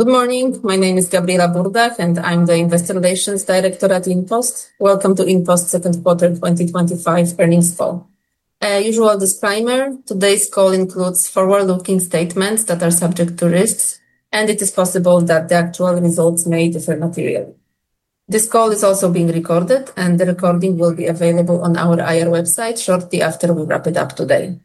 Good morning. My name is Gabriela Burdach, and I'm the Investor Relations Director at InPost. Welcome to InPost's Second Quarter 2025 Earnings Call. A usual disclaimer, today's call includes forward-looking statements that are subject to risks, and it is possible that the actual results may differ materially. This call is also being recorded, and the recording will be available on our IR website shortly after we wrap it up today.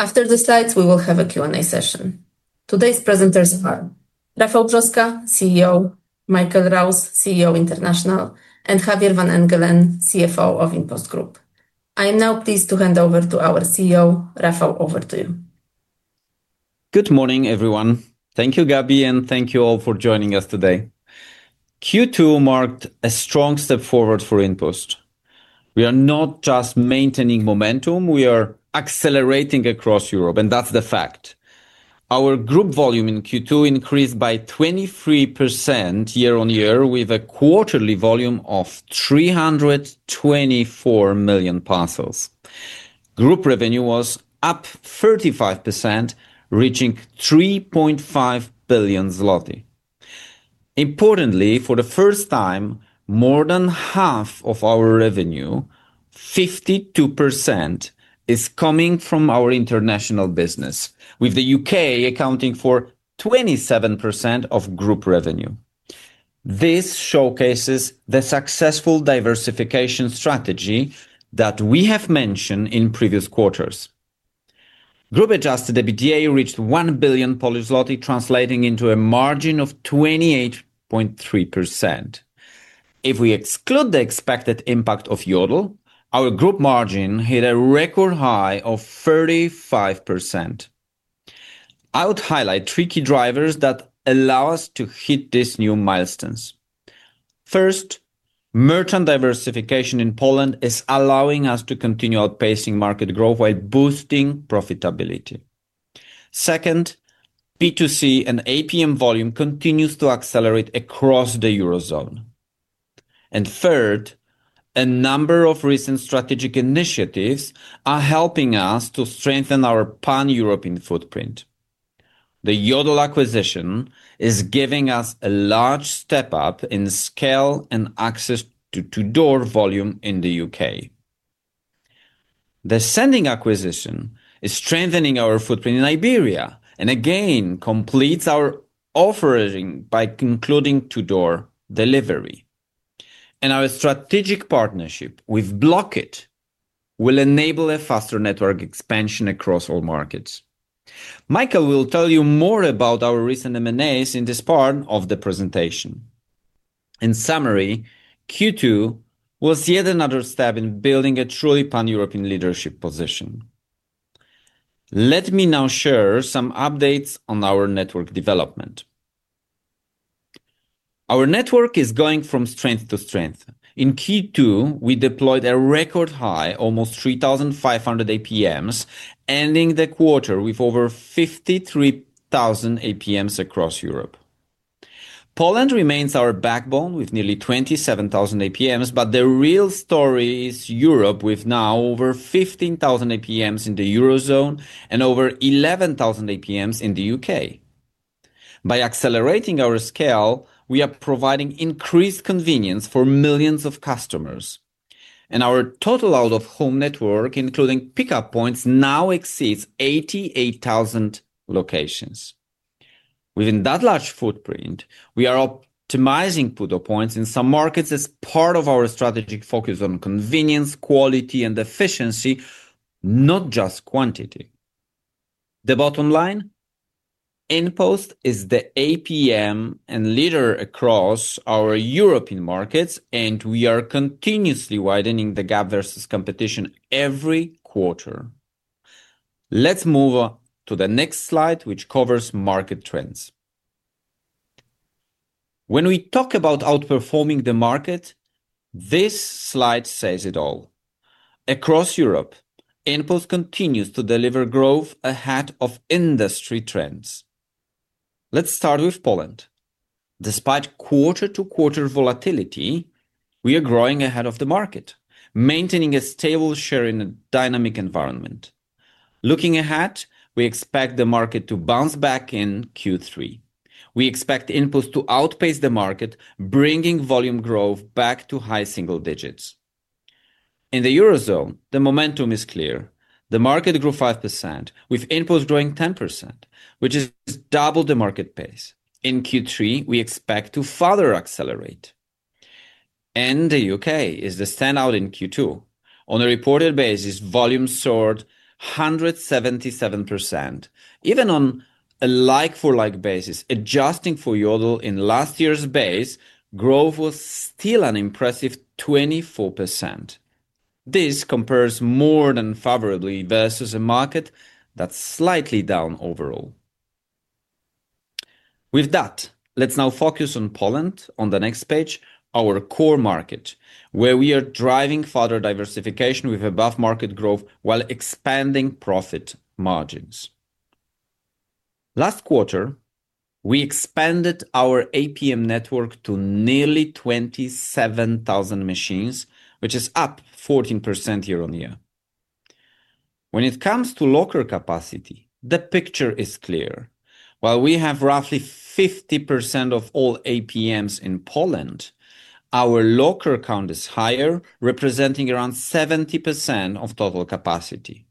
After the slides, we will have a Q&A session. Today's presenters are Rafał Brzoska, CEO; Michael Rouse, CEO International; and Javier van Engelen, CFO of InPost Group. I am now pleased to hand over to our CEO, Rafał, over to you. Good morning, everyone. Thank you, Gabi, and thank you all for joining us today. Q2 marked a strong step forward for InPost. We are not just maintaining momentum; we are accelerating across Europe, and that's the fact. Our group volume in Q2 increased by 23% year-on-year, with a quarterly volume of 324 million parcels. Group revenue was up 35%, reaching 3.5 billion zloty. Importantly, for the first time, more than half of our revenue, 52%, is coming from our international business, with the U.K. accounting for 27% of group revenue. This showcases the successful diversification strategy that we have mentioned in previous quarters. Group-adjusted EBITDA reached 1 billion Polish zloty, translating into a margin of 28.3%. If we exclude the expected impact of Yodel, our group margin hit a record high of 35%. I would highlight three key drivers that allow us to hit this new milestone. First, merchant diversification in Poland is allowing us to continue outpacing market growth while boosting profitability. Second, B2C and APM volume continue to accelerate across the Eurozone. Third, a number of recent strategic initiatives are helping us to strengthen our pan-European footprint. The Yodel acquisition is giving us a large step up in scale and access to to-door volume in the U.K. The Sendingg acquisition is strengthening our footprint in Iberia, and again, completes our offering by concluding to-door delivery. Our strategic partnership with Bloq.it will enable a faster network expansion across all markets. Michael will tell you more about our recent M&As in this part of the presentation. In summary, Q2 was yet another step in building a truly pan-European leadership position. Let me now share some updates on our network development. Our network is going from strength to strength. In Q2, we deployed a record high, almost 3,500 APMs, ending the quarter with over 53,000 APMs across Europe. Poland remains our backbone with nearly 27,000 APMs, but the real story is Europe with now over 15,000 APMs in the Eurozone and over 11,000 APMs in the U.K.. By accelerating our scale, we are providing increased convenience for millions of customers. Our total out-of-home network, including pickup points, now exceeds 88,000 locations. Within that large footprint, we are optimizing pickup points in some markets as part of our strategic focus on convenience, quality, and efficiency, not just quantity. The bottom line, InPost is the APM and leader across our European markets, and we are continuously widening the gap versus competition every quarter. Let's move to the next slide, which covers market trends. When we talk about outperforming the market, this slide says it all. Across Europe, InPost continues to deliver growth ahead of industry trends. Let's start with Poland. Despite quarter-to-quarter volatility, we are growing ahead of the market, maintaining a stable share in a dynamic environment. Looking ahead, we expect the market to bounce back in Q3. We expect InPost to outpace the market, bringing volume growth back to high single digits. In the Eurozone, the momentum is clear. The market grew 5%, with InPost growing 10%, which is double the market pace. In Q3, we expect to further accelerate. The U.K. is the standout in Q2. On a reported basis, volume soared 177%. Even on a like-for-like basis, adjusting for Yodel in last year's base, growth was still an impressive 24%. This compares more than favorably versus a market that's slightly down overall. With that, let's now focus on Poland on the next page, our core market, where we are driving further diversification with above-market growth while expanding profit margins. Last quarter, we expanded our APM network to nearly 27,000 machines, which is up 14% year-on-year. When it comes to locker capacity, the picture is clear. While we have roughly 50% of all APMs in Poland, our locker count is higher, representing around 70% of total capacity.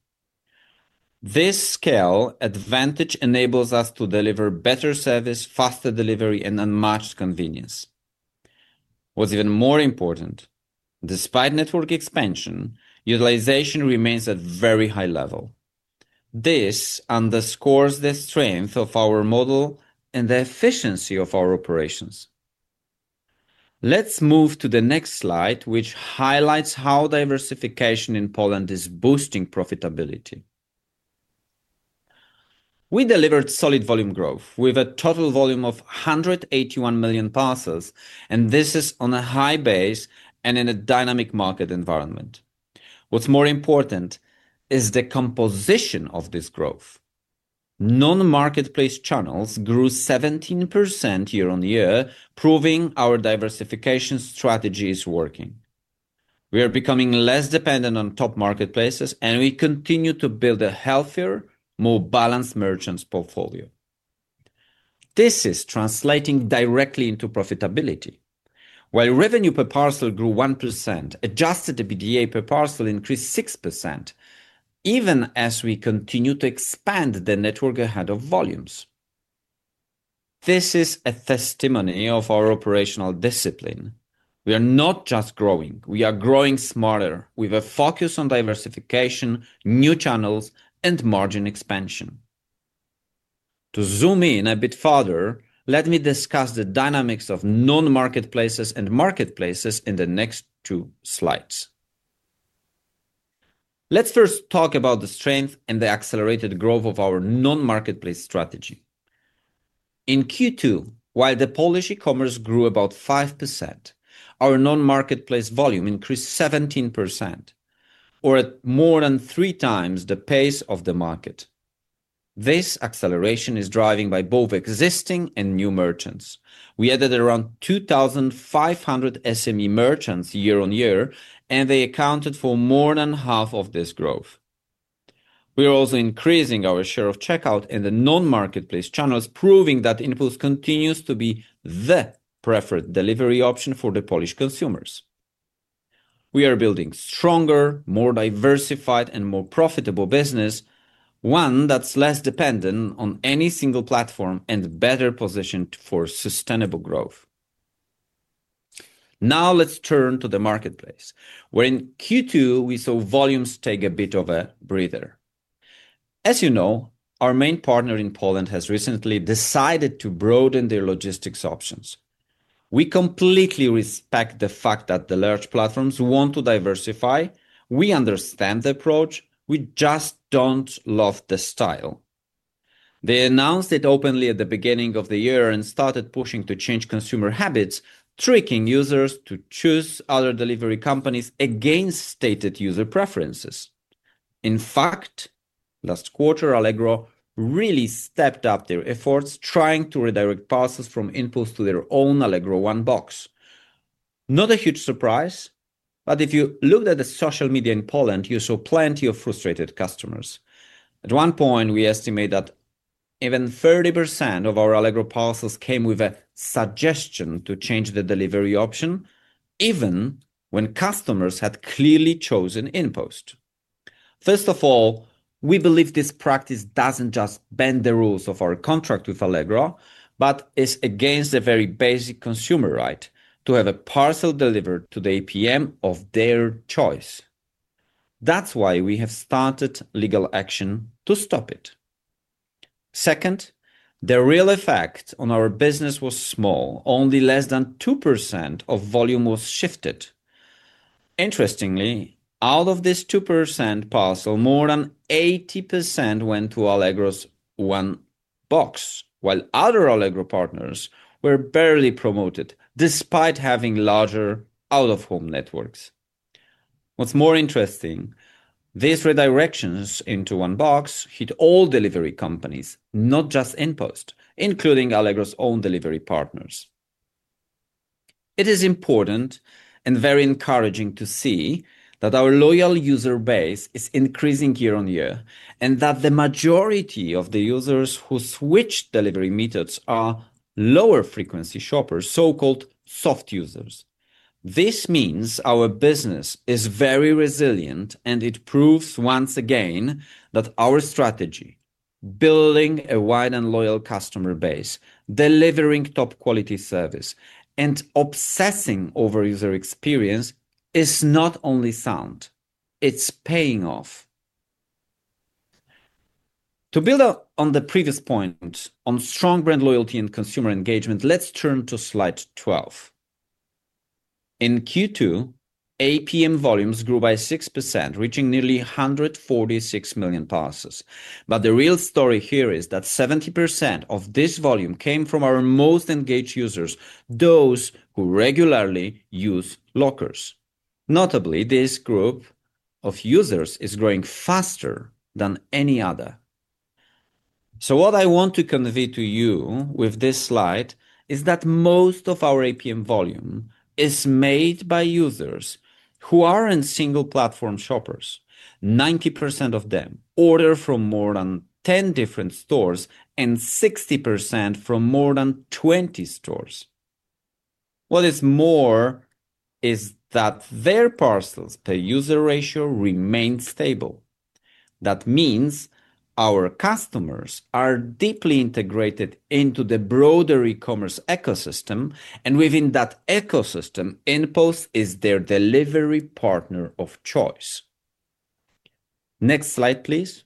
This scale advantage enables us to deliver better service, faster delivery, and unmatched convenience. What's even more important, despite network expansion, utilization remains at a very high level. This underscores the strength of our model and the efficiency of our operations. Let's move to the next slide, which highlights how diversification in Poland is boosting profitability. We delivered solid volume growth, with a total volume of 181 million parcels, and this is on a high base and in a dynamic market environment. What's more important is the composition of this growth. Non-marketplace channels grew 17% year-on-year, proving our diversification strategy is working. We are becoming less dependent on top marketplaces, and we continue to build a healthier, more balanced merchant portfolio. This is translating directly into profitability. While revenue per parcel grew 1%, adjusted EBITDA per parcel increased 6%, even as we continue to expand the network ahead of volumes. This is a testimony of our operational discipline. We are not just growing, we are growing smarter, with a focus on diversification, new channels, and margin expansion. To zoom in a bit further, let me discuss the dynamics of non-marketplaces and marketplaces in the next two slides. Let's first talk about the strength and the accelerated growth of our non-marketplace strategy. In Q2, while the Polish e-commerce grew about 5%, our non-marketplace volume increased 17%, or at more than three times the pace of the market. This acceleration is driven by both existing and new merchants. We added around 2,500 SME merchants year-on-year, and they accounted for more than half of this growth. We are also increasing our share of checkout and the non-marketplace channels, proving that InPost continues to be the preferred delivery option for the Polish consumers. We are building a stronger, more diversified, and more profitable business, one that's less dependent on any single platform and better positioned for sustainable growth. Now, let's turn to the marketplace, where in Q2, we saw volumes take a bit of a breather. As you know, our main partner in Poland has recently decided to broaden their logistics options. We completely respect the fact that the large platforms want to diversify. We understand the approach, we just don't love the style. They announced it openly at the beginning of the year and started pushing to change consumer habits, tricking users to choose other delivery companies against stated user preferences. In fact, last quarter, Allegro really stepped up their efforts, trying to redirect parcels from InPost to their own Allegro One Box. Not a huge surprise, but if you looked at the social media in Poland, you saw plenty of frustrated customers. At one point, we estimated that even 30% of our Allegro parcels came with a suggestion to change the delivery option, even when customers had clearly chosen InPost. First of all, we believe this practice doesn't just bend the rules of our contract with Allegro, but is against a very basic consumer right to have a parcel delivered to the APM of their choice. That's why we have started legal action to stop it. Second, the real effect on our business was small, only less than 2% of volume was shifted. Interestingly, out of this 2% parcel, more than 80% went to Allegro's One Box, while other Allegro partners were barely promoted, despite having larger out-of-home networks. What's more interesting, these redirections into One Box hit all delivery companies, not just InPost, including Allegro's own delivery partners. It is important and very encouraging to see that our loyal user base is increasing year-on-year, and that the majority of the users who switched delivery methods are lower-frequency shoppers, so-called soft users. This means our business is very resilient, and it proves once again that our strategy, building a wide and loyal customer base, delivering top-quality service, and obsessing over user experience, is not only sound, it's paying off. To build on the previous point on strong brand loyalty and consumer engagement, let's turn to slide 12. In Q2, APM volumes grew by 6%, reaching nearly 146 million parcels. The real story here is that 70% of this volume came from our most engaged users, those who regularly use lockers. Notably, this group of users is growing faster than any other. What I want to convey to you with this slide is that most of our APM volume is made by users who are single-platform shoppers. 90% of them order from more than 10 different stores, and 60% from more than 20 stores. What is more is that their parcels-per-user ratio remains stable. That means our customers are deeply integrated into the broader e-commerce ecosystem, and within that ecosystem, InPost is their delivery partner of choice. Next slide, please.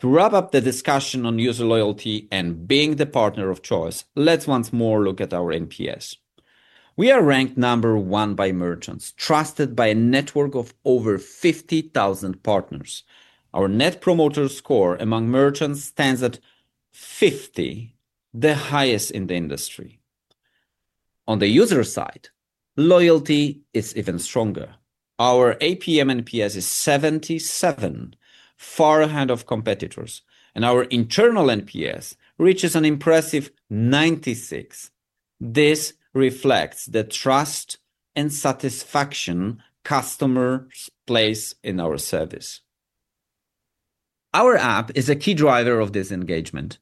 To wrap up the discussion on user loyalty and being the partner of choice, let's once more look at our NPS. We are ranked number one by merchants, trusted by a network of over 50,000 partners. Our Net Promoter Score among merchants stands at 50, the highest in the industry. On the user side, loyalty is even stronger. Our APM NPS is 77, far ahead of competitors, and our internal NPS reaches an impressive 96. This reflects the trust and satisfaction customers place in our service. Our app is a key driver of this engagement.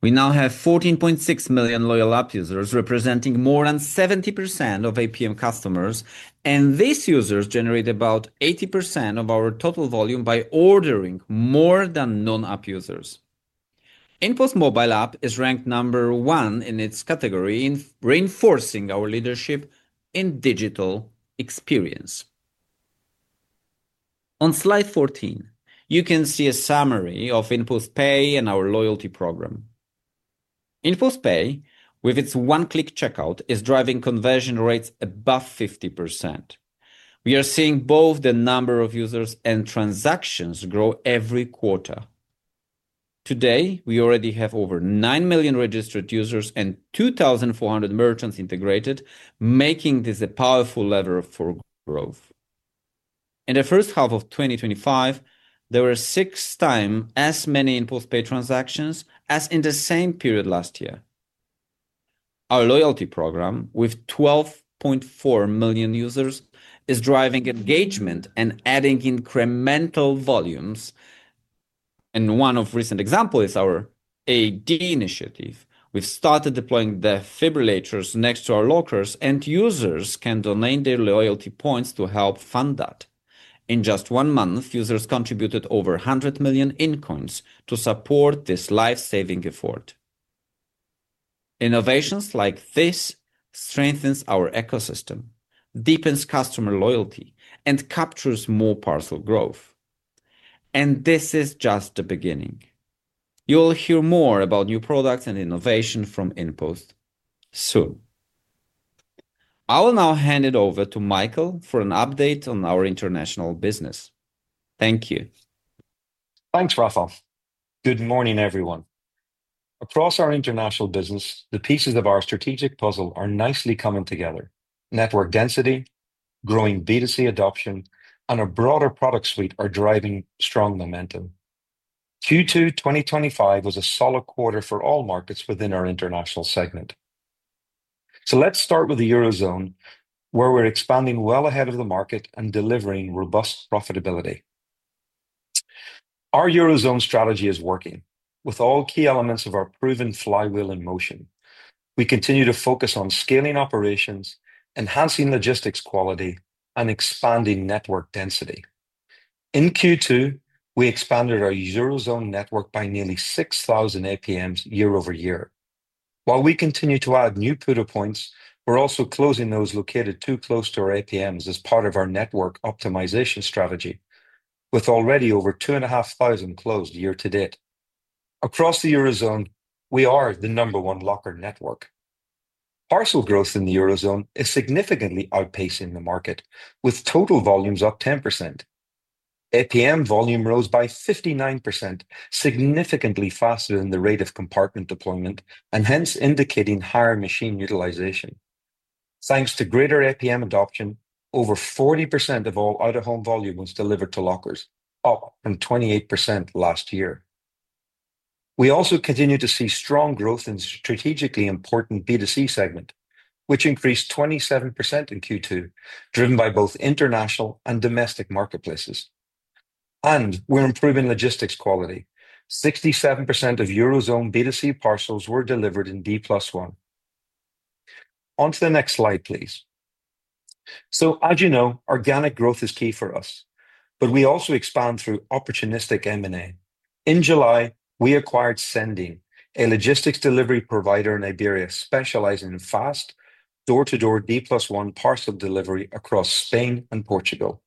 We now have 14.6 million loyal app users, representing more than 70% of APM customers, and these users generate about 80% of our total volume by ordering more than non-app users. InPost Mobile App is ranked number one in its category, reinforcing our leadership in digital experience. On slide 14, you can see a summary of InPost Pay and our loyalty program. InPost Pay, with its one-click checkout, is driving conversion rates above 50%. We are seeing both the number of users and transactions grow every quarter. Today, we already have over 9 million registered users and 2,400 merchants integrated, making this a powerful lever for growth. In the first half of 2024, there were six times as many InPost Pay transactions as in the same period last year. Our loyalty program, with 12.4 million users, is driving engagement and adding incremental volumes. One of the recent examples is our AD initiative. We've started deploying defibrillators next to our lockers, and users can donate their loyalty points to help fund that. In just one month, users contributed over 100 million in coins to support this life-saving effort. Innovations like this strengthen our ecosystem, deepen customer loyalty, and capture more parcel growth. This is just the beginning. You'll hear more about new products and innovation from InPost soon. I will now hand it over to Michael for an update on our international business. Thank you. Thanks, Rafał. Good morning, everyone. Across our international business, the pieces of our strategic puzzle are nicely coming together. Network density, growing B2C adoption, and a broader product suite are driving strong momentum. Q2 2025 was a solid quarter for all markets within our international segment. Let's start with the Eurozone, where we're expanding well ahead of the market and delivering robust profitability. Our Eurozone strategy is working with all key elements of our proven flywheel in motion. We continue to focus on scaling operations, enhancing logistics quality, and expanding network density. In Q2, we expanded our Eurozone network by nearly 6,000 APMs year-over-year. While we continue to add new pickup points, we're also closing those located too close to our APMs as part of our network optimization strategy, with already over 2,500 closed year to date. Across the Eurozone, we are the number one locker network. Parcel growth in the Eurozone is significantly outpacing the market, with total volumes up 10%. APM volume rose by 59%, significantly faster than the rate of compartment deployment, indicating higher machine utilization. Thanks to greater APM adoption, over 40% of all out-of-home volume was delivered to lockers, up from 28% last year. We also continue to see strong growth in the strategically important B2C segment, which increased 27% in Q2, driven by both international and domestic marketplaces. We're improving logistics quality. 67% of Eurozone B2C parcels were delivered in D+1. Onto the next slide, please. As you know, organic growth is key for us, but we also expand through opportunistic M&A. In July, we acquired Sendingg, a logistics delivery provider in Iberia, specializing in fast door-to-door D+1 parcel delivery across Spain and Portugal.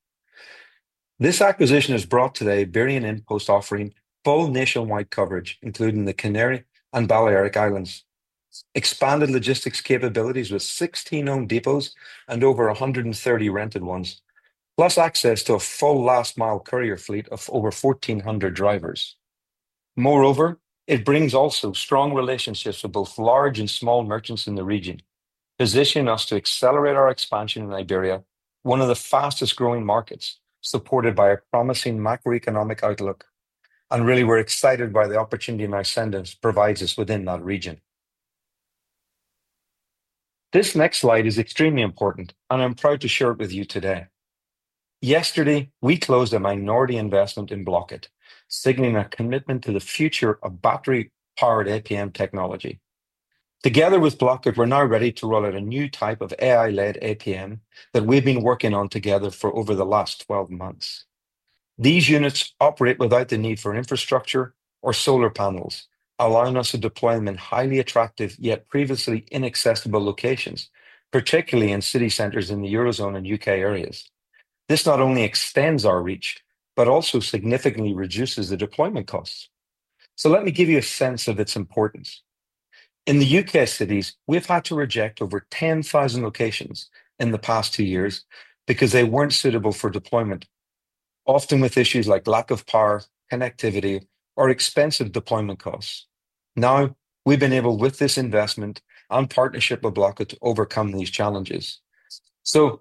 This acquisition has brought today Iberia and InPost offering full nationwide coverage, including the Canary and Balearic Islands, expanded logistics capabilities with 16 owned depots and over 130 rented ones, plus access to a full last-mile courier fleet of over 1,400 drivers. Moreover, it brings strong relationships with both large and small merchants in the region, positioning us to accelerate our expansion in Iberia, one of the fastest growing markets, supported by a promising macroeconomic outlook. We're excited by the opportunity Sendingg provides us within that region. This next slide is extremely important, and I'm proud to share it with you today. Yesterday, we closed a minority investment in Bloq.it, signaling a commitment to the future of battery-powered APM technology. Together with Bloq.it, we're now ready to roll out a new type of AI-led APM that we've been working on together for over the last 12 months. These units operate without the need for infrastructure or solar panels, allowing us to deploy them in highly attractive, yet previously inaccessible locations, particularly in city centers in the Eurozone and U.K. areas. This not only extends our reach, but also significantly reduces the deployment costs. Let me give you a sense of its importance. In the [U.K.] cities, we've had to reject over 10,000 locations in the past two years because they weren't suitable for deployment, often with issues like lack of power, connectivity, or expensive deployment costs. Now, we've been able, with this investment and partnership with Bloq.it, to overcome these challenges.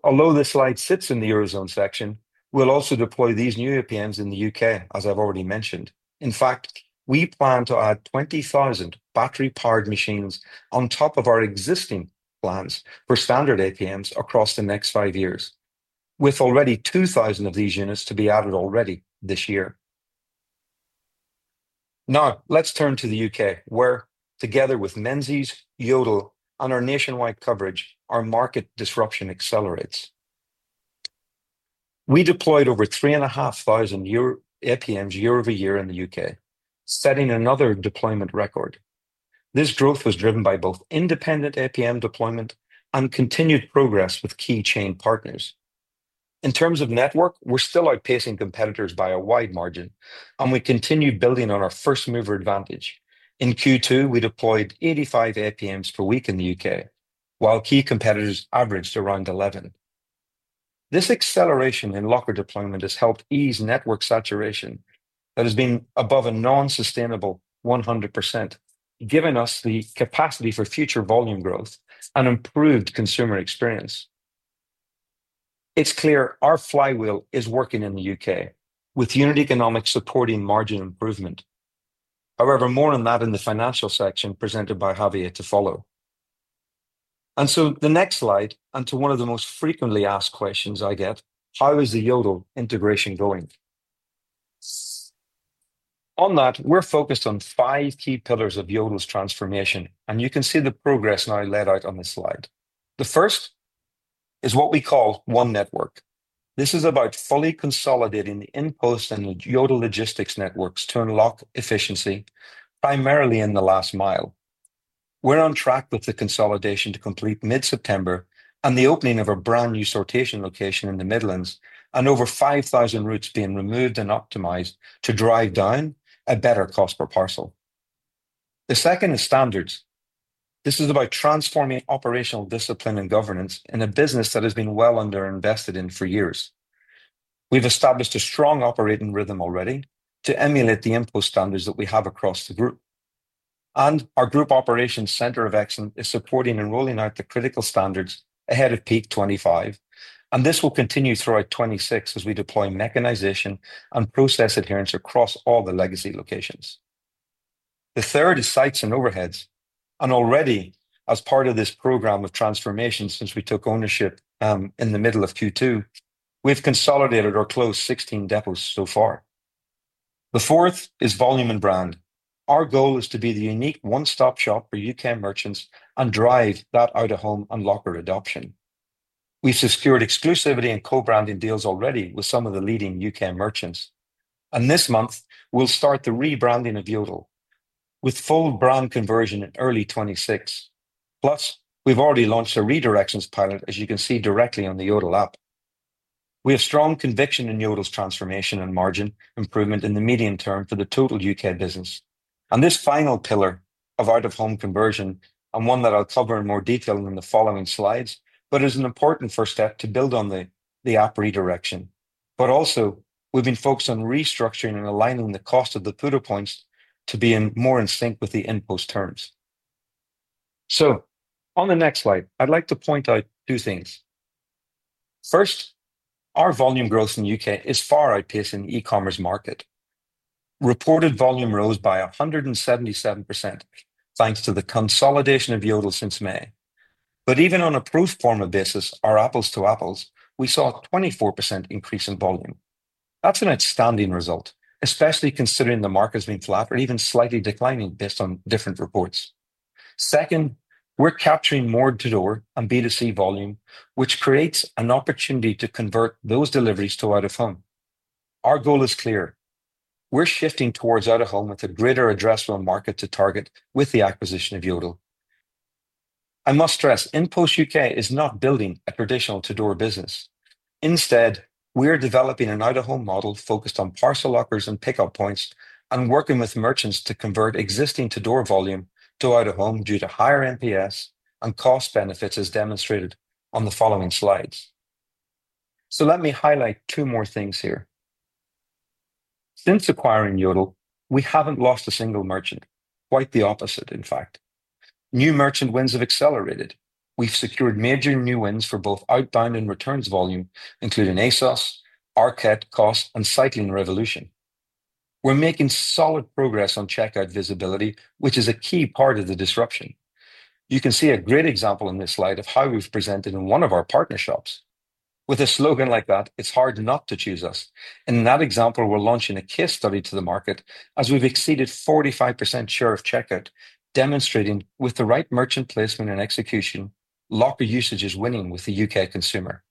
Although this slide sits in the Eurozone section, we'll also deploy these new APMs in the U.K., as I've already mentioned. In fact, we plan to add 20,000 battery-powered machines on top of our existing plans for standard APMs across the next five years, with already 2,000 of these units to be added already this year. Now, let's turn to the U.K., where together with Menzies and Yodel and our nationwide coverage, our market disruption accelerates. We deployed over 3,500 APMs year-over-year in the U.K., setting another deployment record. This growth was driven by both independent APM deployment and continued progress with key chain partners. In terms of network, we're still outpacing competitors by a wide margin, and we continue building on our first-mover advantage. In Q2, we deployed 85 APMs per week in the U.K., while key competitors averaged around 11. This acceleration in locker deployment has helped ease network saturation that has been above a non-sustainable 100%, giving us the capacity for future volume growth and improved consumer experience. It's clear our flywheel is working in the U.K., with unit economics supporting margin improvement. More on that in the financial section presented by Javier to follow. The next slide and to one of the most frequently asked questions I get, how is the Yodel integration going? On that, we're focused on five key pillars of Yodel's transformation, and you can see the progress now I led out on this slide. The first is what we call One Network. This is about fully consolidating the InPost and Yodel logistics networks to unlock efficiency, primarily in the last mile. We're on track with the consolidation to complete mid-September and the opening of a brand new sortation location in the Midlands, and over 5,000 routes being removed and optimized to drive down a better cost per parcel. The second is Standards. This is about transforming operational discipline and governance in a business that has been well underinvested in for years. We've established a strong operating rhythm already to emulate the InPost standards that we have across the group. Our Group Operations Center of Excellence is supporting and rolling out the critical standards ahead of Peak 2025. This will continue throughout 2026 as we deploy mechanization and process adherence across all the legacy locations. The third is Sites and Overheads. Already, as part of this program of transformation since we took ownership in the middle of Q2, we've consolidated or closed 16 depots so far. The fourth is Volume and Brand. Our goal is to be the unique one-stop shop for U.K. merchants and drive that out-of-home and locker adoption. We've secured exclusivity and co-branding deals already with some of the leading U.K. merchants. This month, we'll start the rebranding of Yodel with full brand conversion in early 2026. Plus, we've already launched a redirections pilot, as you can see directly on the Yodel app. We have strong conviction in Yodel's transformation and margin improvement in the medium term for the total U.K. business. This final pillar of out-of-home conversion is one that I'll cover in more detail in the following slides, but is an important first step to build on the app redirection. We've been focused on restructuring and aligning the cost of the pickup points to be more in sync with the InPost terms. On the next slide, I'd like to point out two things. First, our volume growth in the U.K. is far outpacing the e-commerce market. Reported volume rose by 177% thanks to the consolidation of Yodel since May. Even on a proof of business, our apples to apples, we saw a 24% increase in volume. That's an outstanding result, especially considering the market's been flat or even slightly declining based on different reports. Second, we're capturing more door-to-door and B2C volume, which creates an opportunity to convert those deliveries to out-of-home. Our goal is clear. We're shifting towards out-of-home with a greater addressable market to target with the acquisition of Yodel. I must stress, InPost U.K. is not building a traditional to-door delivery business. Instead, we're developing an out-of-home model focused on parcel lockers and pickup points and working with merchants to convert existing to-door delivery volume to out-of-home due to higher NPS and cost benefits, as demonstrated on the following slides. Let me highlight two more things here. Since acquiring Yodel, we haven't lost a single merchant. Quite the opposite, in fact. New merchant wins have accelerated. We've secured major new wins for both outbound and returns volume, including ASOS, ARKET, COS, and Cycling Revolution. We're making solid progress on checkout visibility, which is a key part of the disruption. You can see a great example on this slide of how we've presented in one of our partner shops. With a slogan like that, it's hard not to choose us. In that example, we're launching a case study to the market as we've exceeded 45% share of checkout, demonstrating with the right merchant placement and execution, locker usage is winning with the U.K. consumer.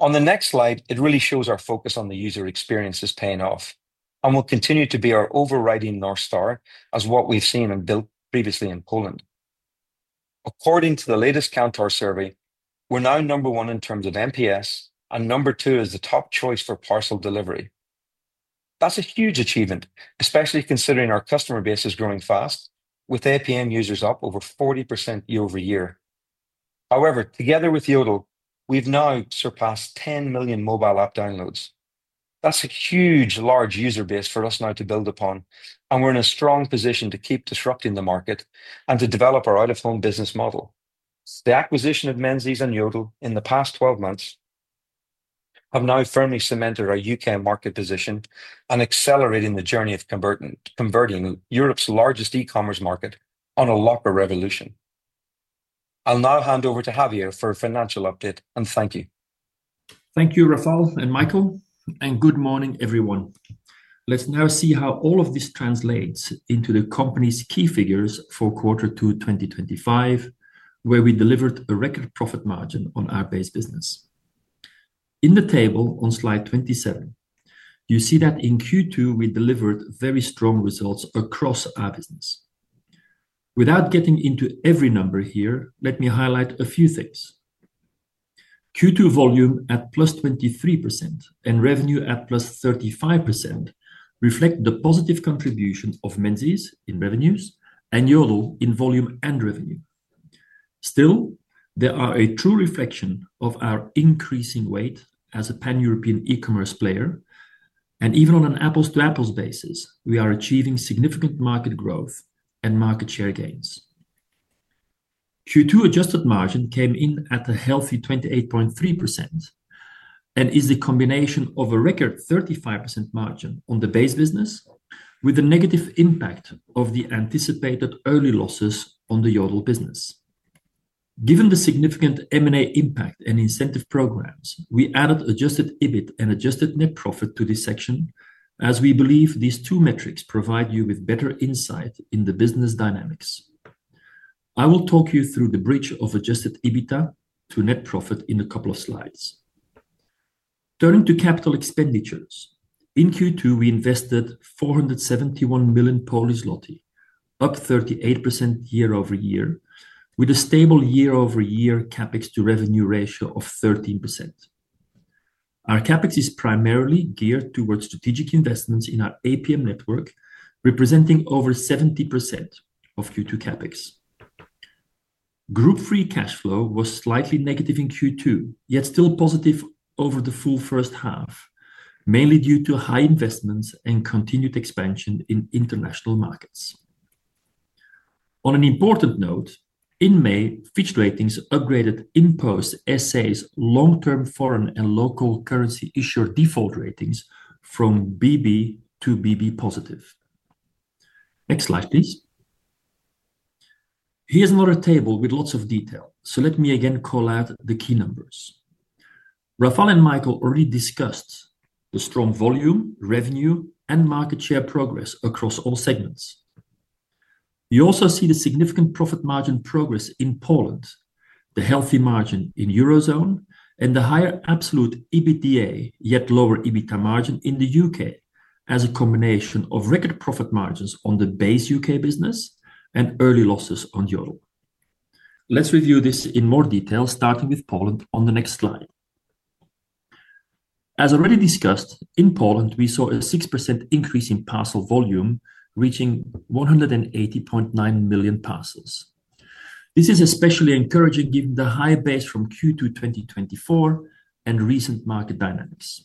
On the next slide, it really shows our focus on the user experience is paying off. It will continue to be our overriding North Star, as what we've seen and built previously in Poland. According to the latest Kantar survey, we're now number one in terms of NPS, and number two as the top choice for parcel delivery. That's a huge achievement, especially considering our customer base is growing fast, with APM users up over 40% year-over-year. However, together with Yodel, we've now surpassed 10 million mobile app downloads. That's a huge, large user base for us now to build upon, and we're in a strong position to keep disrupting the market and to develop our out-of-home business model. The acquisition of Menzies and Yodel in the past 12 months has now firmly cemented our U.K. market position and accelerated the journey of converting Europe's largest e-commerce market on a locker revolution. I'll now hand over to Javier for a financial update, and thank you. Thank you, Rafał and Michael, and good morning, everyone. Let's now see how all of this translates into the company's key figures for quarter two 2025, where we delivered a record profit margin on our base business. In the table on slide 27, you see that in Q2, we delivered very strong results across our business. Without getting into every number here, let me highlight a few things. Q2 volume at +23% and revenue at +35% reflect the positive contribution of Menzies in revenues and Yodel in volume and revenue. Still, they are a true reflection of our increasing weight as a pan-European e-commerce player, and even on an apples-to-apples basis, we are achieving significant market growth and market share gains. Q2 adjusted margin came in at a healthy 28.3% and is a combination of a record 35% margin on the base business with a negative impact of the anticipated early losses on the Yodel business. Given the significant M&A impact and incentive programs, we added adjusted EBIT and adjusted net profit to this section, as we believe these two metrics provide you with better insight into the business dynamics. I will talk you through the bridge of adjusted EBITDA to net profit in a couple of slides. Turning to capital expenditures, in Q2, we invested 471 million, up 38% year-over-year, with a stable year-over-year CapEx to revenue ratio of 13%. Our CapEx is primarily geared towards strategic investments in our APM network, representing over 70% of Q2 CapEx. Group free cash flow was slightly negative in Q2, yet still positive over the full first half, mainly due to high investments and continued expansion in international markets. On an important note, in May, Fitch Ratings upgraded InPost S.A.'s long-term foreign and local currency issuer default ratings from BB to BB+. Next slide, please. Here's another table with lots of detail. Let me again call out the key numbers. Rafał and Michael already discussed the strong volume, revenue, and market share progress across all segments. You also see the significant profit margin progress in Poland, the healthy margin in the Eurozone, and the higher absolute EBITDA, yet lower EBITDA margin in the U.K., as a combination of record profit margins on the base U.K. business and early losses on Yodel. Let's review this in more detail, starting with Poland on the next slide. As already discussed, in Poland, we saw a 6% increase in parcel volume, reaching 180.9 million parcels. This is especially encouraging given the high base from Q2 2024 and recent market dynamics.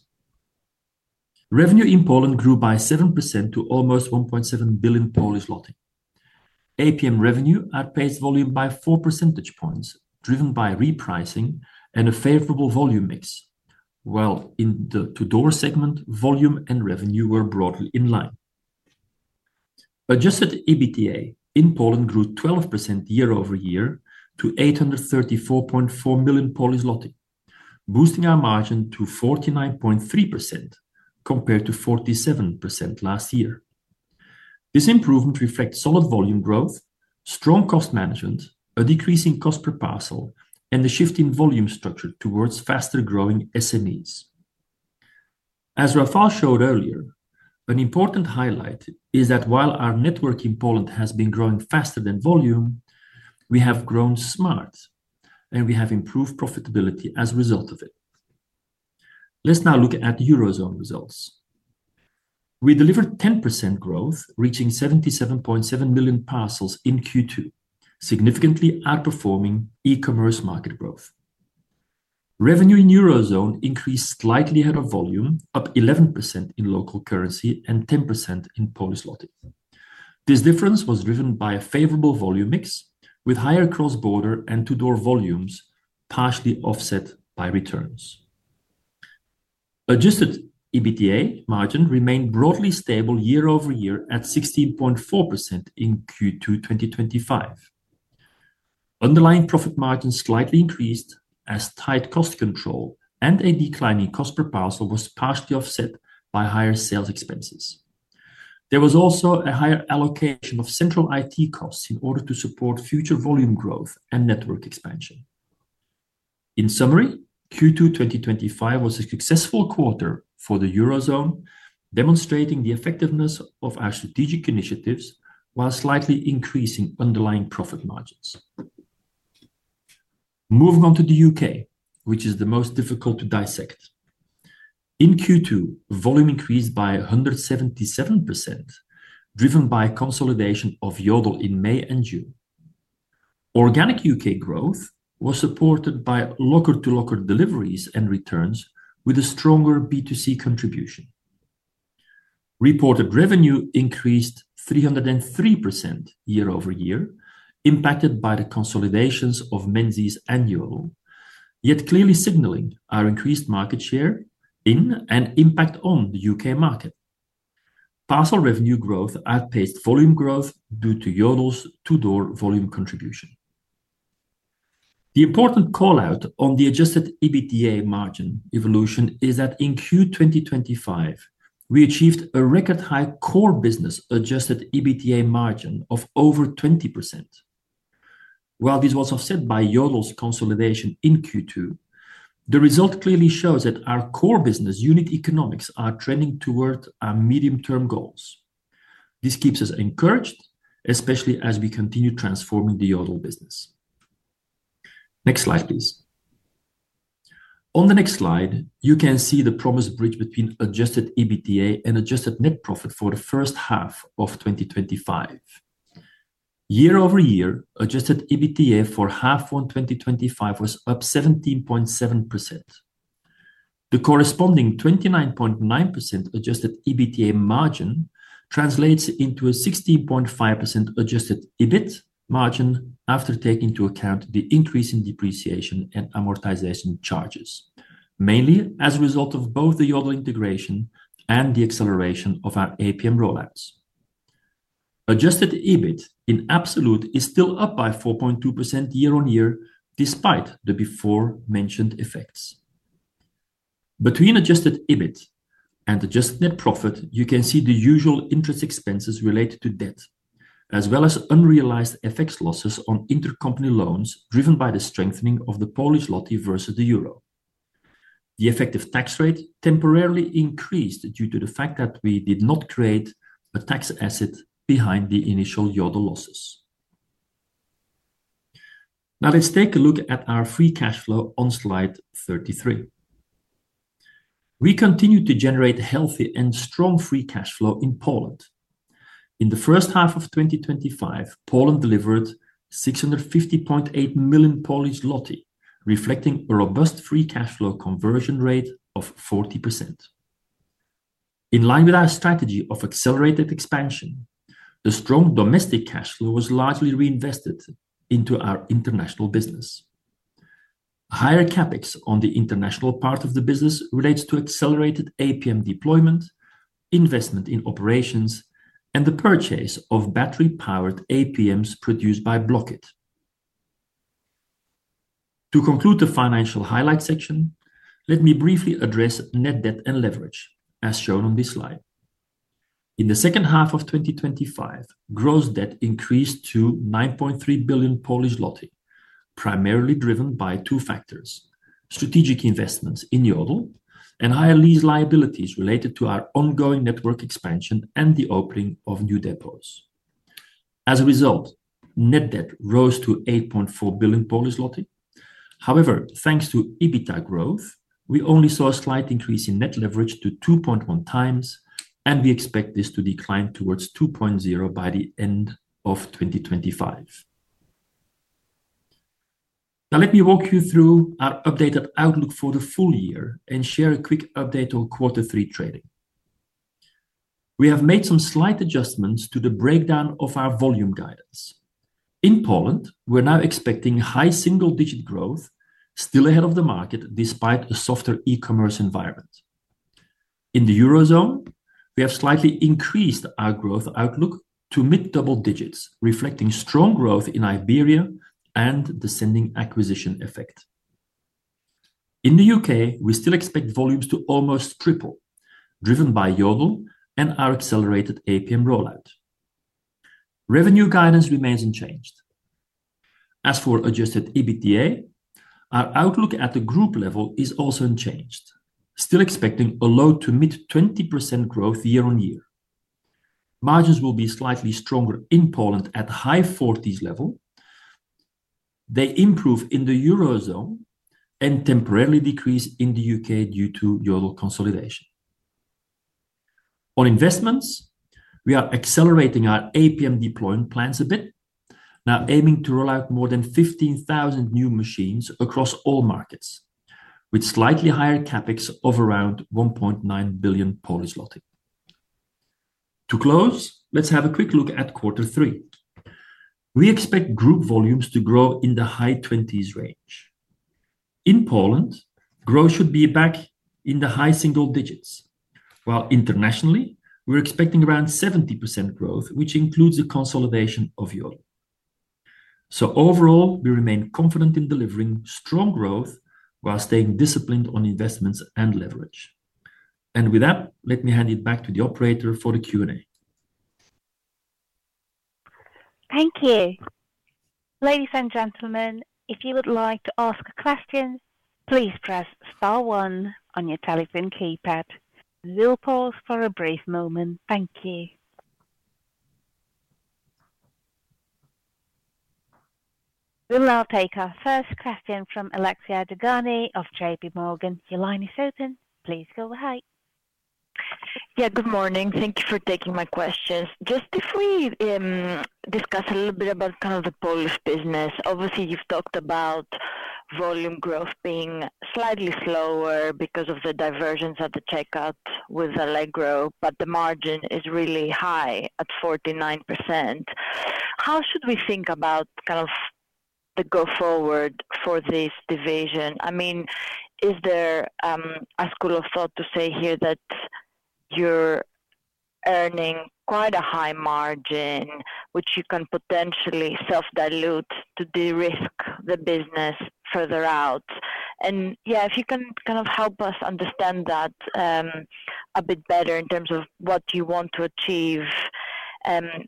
Revenue in Poland grew by 7% to almost 1.7 billion. APM revenue outpaced volume by four percentage points, driven by repricing and a favorable volume mix. While in the to-door segment, volume and revenue were broadly in line. Adjusted EBITDA in Poland grew 12% year-over-year to 834.4 million, boosting our margin to 49.3% compared to 47% last year. This improvement reflects solid volume growth, strong cost management, a decrease in cost per parcel, and the shift in volume structure towards faster growing SMEs. As Rafał Brzoska showed earlier, an important highlight is that while our network in Poland has been growing faster than volume, we have grown smart, and we have improved profitability as a result of it. Let's now look at Eurozone results. We delivered 10% growth, reaching 77.7 million parcels in Q2, significantly outperforming e-commerce market growth. Revenue in the Eurozone increased slightly ahead of volume, up 11% in local currency and 10% in PLN. This difference was driven by a favorable volume mix, with higher cross-border and to-door volumes, partially offset by returns. Adjusted EBITDA margin remained broadly stable year-over-year at 16.4% in Q2 2025. Underlying profit margin slightly increased as tight cost control and a declining cost per parcel was partially offset by higher sales expenses. There was also a higher allocation of central IT costs in order to support future volume growth and network expansion. In summary, Q2 2025 was a successful quarter for the Eurozone, demonstrating the effectiveness of our strategic initiatives while slightly increasing underlying profit margins. Moving on to the U.K., which is the most difficult to dissect. In Q2, volume increased by 177%, driven by consolidation of Yodel in May and June. Organic U.K. growth was supported by locker-to-locker deliveries and returns, with a stronger B2C contribution. Reported revenue increased 303% year-over-year, impacted by the consolidations of Menzies and Yodel, yet clearly signaling our increased market share in and impact on the U.K. market. Parcel revenue growth outpaced volume growth due to Yodel's to-door volume contribution. The important call out on the adjusted EBITDA margin evolution is that in Q2 2025, we achieved a record-high core business adjusted EBITDA margin of over 20%. While this was offset by Yodel's consolidation in Q2, the result clearly shows that our core business unit economics are trending toward our medium-term goals. This keeps us encouraged, especially as we continue transforming the Yodel business. Next slide, please. On the next slide, you can see the promised bridge between adjusted EBITDA and adjusted net profit for the first half of 2025. Year-over-year, adjusted EBITDA for half one 2025 was up 17.7%. The corresponding 29.9% adjusted EBITDA margin translates into a 16.5% adjusted EBIT margin after taking into account the increase in depreciation and amortization charges, mainly as a result of both the Yodel integration and the acceleration of our APM rollouts. Adjusted EBIT in absolute is still up by 4.2% year on year, despite the before-mentioned effects. Between adjusted EBIT and adjusted net profit, you can see the usual interest expenses related to debt, as well as unrealized FX losses on intercompany loans driven by the strengthening of the Polish złoty versus the euro. The effective tax rate temporarily increased due to the fact that we did not create a tax asset behind the initial Yodel losses. Now let's take a look at our free cash flow on slide 33. We continue to generate healthy and strong free cash flow in Poland. In the first half of 2025, Poland delivered 650.8 million, reflecting a robust free cash flow conversion rate of 40%. In line with our strategy of accelerated expansion, the strong domestic cash flow was largely reinvested into our international business. A higher CapEx on the international part of the business relates to accelerated APM deployment, investment in operations, and the purchase of battery-powered APMs produced by Bloq.it. To conclude the financial highlight section, let me briefly address net debt and leverage, as shown on this slide. In the second half of 2025, gross debt increased to 9.3 billion, primarily driven by two factors: strategic investments in Yodel and higher lease liabilities related to our ongoing network expansion and the opening of new depots. As a result, net debt rose to 8.4 billion. However, thanks to EBITDA growth, we only saw a slight increase in net leverage to 2.1 times, and we expect this to decline towards 2.0 by the end of 2025. Now let me walk you through our updated outlook for the full year and share a quick update on quarter three trading. We have made some slight adjustments to the breakdown of our volume guidance. In Poland, we're now expecting high single-digit growth, still ahead of the market despite a softer e-commerce environment. In the Eurozone, we have slightly increased our growth outlook to mid-double digits, reflecting strong growth in Iberia and the descending acquisition effect. In the U.K., we still expect volumes to almost triple, driven by Yodel and our accelerated APM rollout. Revenue guidance remains unchanged. As for adjusted EBITDA, our outlook at the group level is also unchanged, still expecting a low to mid-20% growth year on year. Margins will be slightly stronger in Poland at a high 40s level. They improve in the Eurozone and temporarily decrease in the U.K. due to Yodel consolidation. On investments, we are accelerating our APM deployment plans a bit, now aiming to roll out more than 15,000 new machines across all markets, with slightly higher CapEx of around 1.9 billion. To close, let's have a quick look at quarter three. We expect group volumes to grow in the high 20% range. In Poland, growth should be back in the high single digits, while internationally, we're expecting around 70% growth, which includes a consolidation of Yodel. Overall, we remain confident in delivering strong growth while staying disciplined on investments and leverage. With that, let me hand it back to the operator for the Q&A. Thank you. Ladies and gentlemen, if you would like to ask a question, please press star one on your telephone keypad. We'll pause for a brief moment. Thank you. We'll now take our first question from Alexia Dogani of JPMorgan. Your line is open. Please go ahead. Yeah, good morning. Thank you for taking my question. Just quickly, discuss a little bit about kind of the Polish business. Obviously, you've talked about volume growth being slightly slower because of the divergence of the takeout with Allegro, but the margin is really high at 49%. How should we think about kind of the go-forward for this division? I mean, is there a school of thought to say here that you're earning quite a high margin, which you can potentially self-dilute to de-risk the business further out? If you can kind of help us understand that a bit better in terms of what you want to achieve,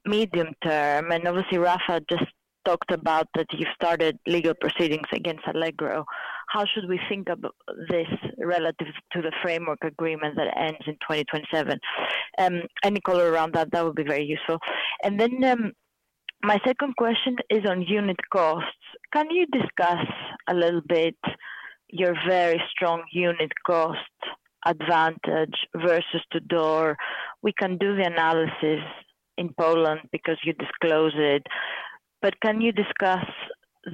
medium term. Obviously, Rafał just talked about that you've started legal proceedings against Allegro. How should we think about this relative to the framework agreement that ends in 2027? Any color around that, that would be very useful. My second question is on unit costs. Can you discuss a little bit your very strong unit cost advantage versus to-door? We can do the analysis in Poland because you disclosed it, but can you discuss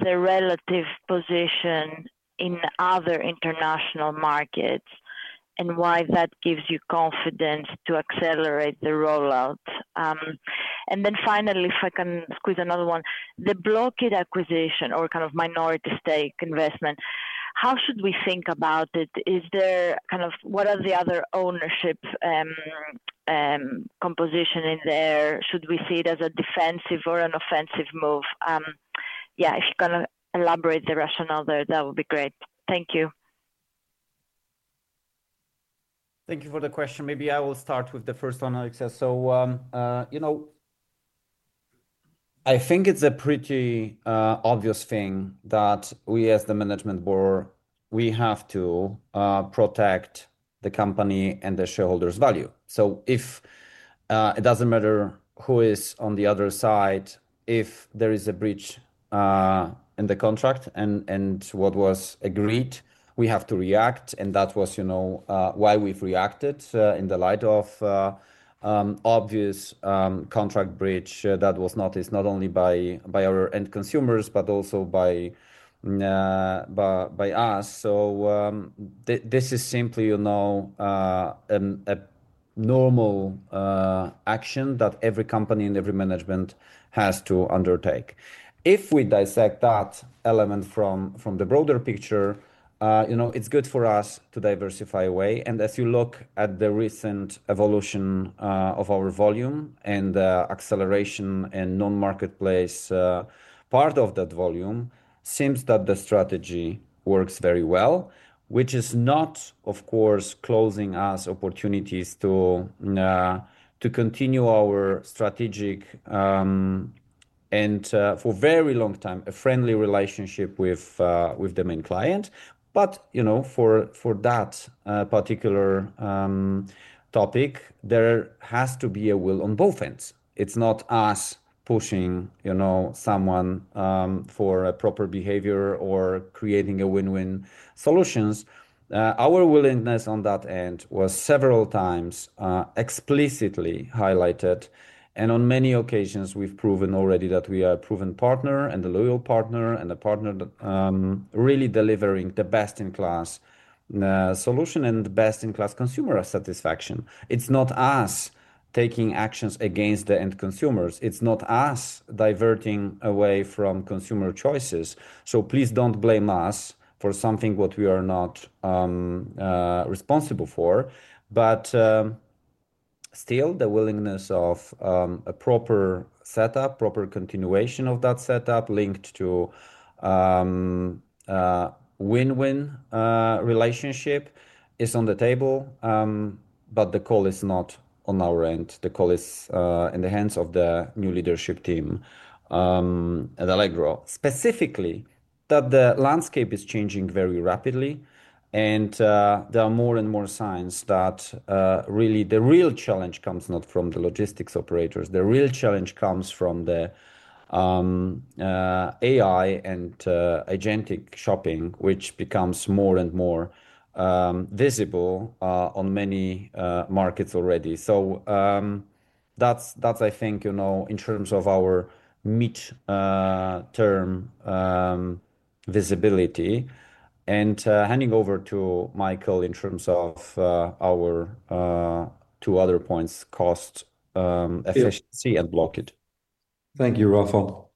the relative position in other international markets and why that gives you confidence to accelerate the rollout? Finally, if I can squeeze another one, the Bloq.it acquisition or kind of minority stake investment, how should we think about it? Is there kind of, what are the other ownership composition in there? Should we see it as a defensive or an offensive move? If you can elaborate the rationale there, that would be great. Thank you. Thank you for the question. Maybe I will start with the first one, Alexia. I think it's a pretty obvious thing that we as the management board, we have to protect the company and the shareholders' value. It doesn't matter who is on the other side, if there is a breach in the contract and what was agreed, we have to react. That was why we've reacted in the light of obvious contract breach that was noticed not only by our end consumers, but also by us. This is simply a normal action that every company and every management has to undertake. If we dissect that element from the broader picture, it's good for us to diversify away. As you look at the recent evolution of our volume and acceleration in non-marketplace part of that volume, it seems that the strategy works very well, which is not, of course, closing us opportunities to continue our strategic and, for a very long time, a friendly relationship with the main client. For that particular topic, there has to be a will on both ends. It's not us pushing someone for a proper behavior or creating a win-win solution. Our willingness on that end was several times explicitly highlighted. On many occasions, we've proven already that we are a proven partner and a loyal partner and a partner really delivering the best-in-class solution and the best-in-class consumer satisfaction. It's not us taking actions against the end consumers. It's not us diverting away from consumer choices. Please don't blame us for something that we are not responsible for. Still, the willingness of a proper setup, proper continuation of that setup linked to win-win relationship is on the table. The call is not on our end. The call is in the hands of the new leadership team at Allegro, specifically that the landscape is changing very rapidly. There are more and more signs that really the real challenge comes not from the logistics operators. The real challenge comes from the AI and agentic shopping, which becomes more and more visible on many markets already. I think, in terms of our mid-term visibility. Handing over to Michael in terms of our two other points, cost efficiency, and Bloq.it. Thank you, Rafał.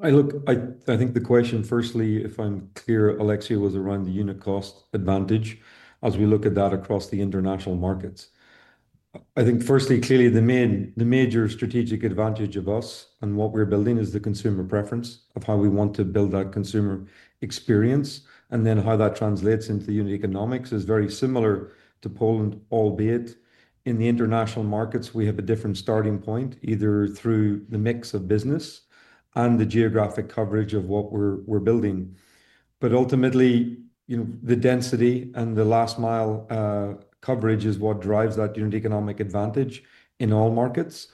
I look, I think the question firstly, if I'm clear, Alexia, was around the unit cost advantage as we look at that across the international markets. I think firstly, clearly, the major strategic advantage of us and what we're building is the consumer preference of how we want to build that consumer experience. Then how that translates into unit economics is very similar to Poland, albeit in the international markets, we have a different starting point, either through the mix of business and the geographic coverage of what we're building. Ultimately, the density and the last mile coverage is what drives that unit economic advantage in all markets.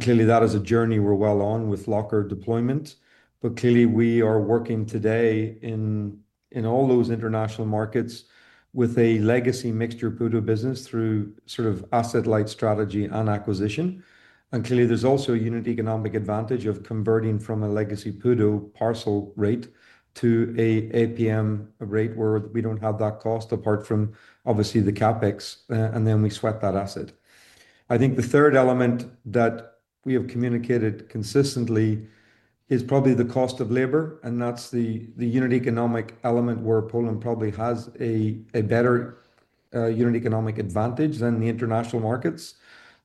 Clearly, that is a journey we're well on with locker deployment. We are working today in all those international markets with a legacy mixture of PUDO business through sort of asset-light strategy and acquisition. There is also a unit economic advantage of converting from a legacy PUDO parcel rate to an APM rate where we don't have that cost apart from, obviously, the CapEx, and then we swap that asset. I think the third element that we have communicated consistently is probably the cost of labor, and that's the unit economic element where Poland probably has a better unit economic advantage than the international markets.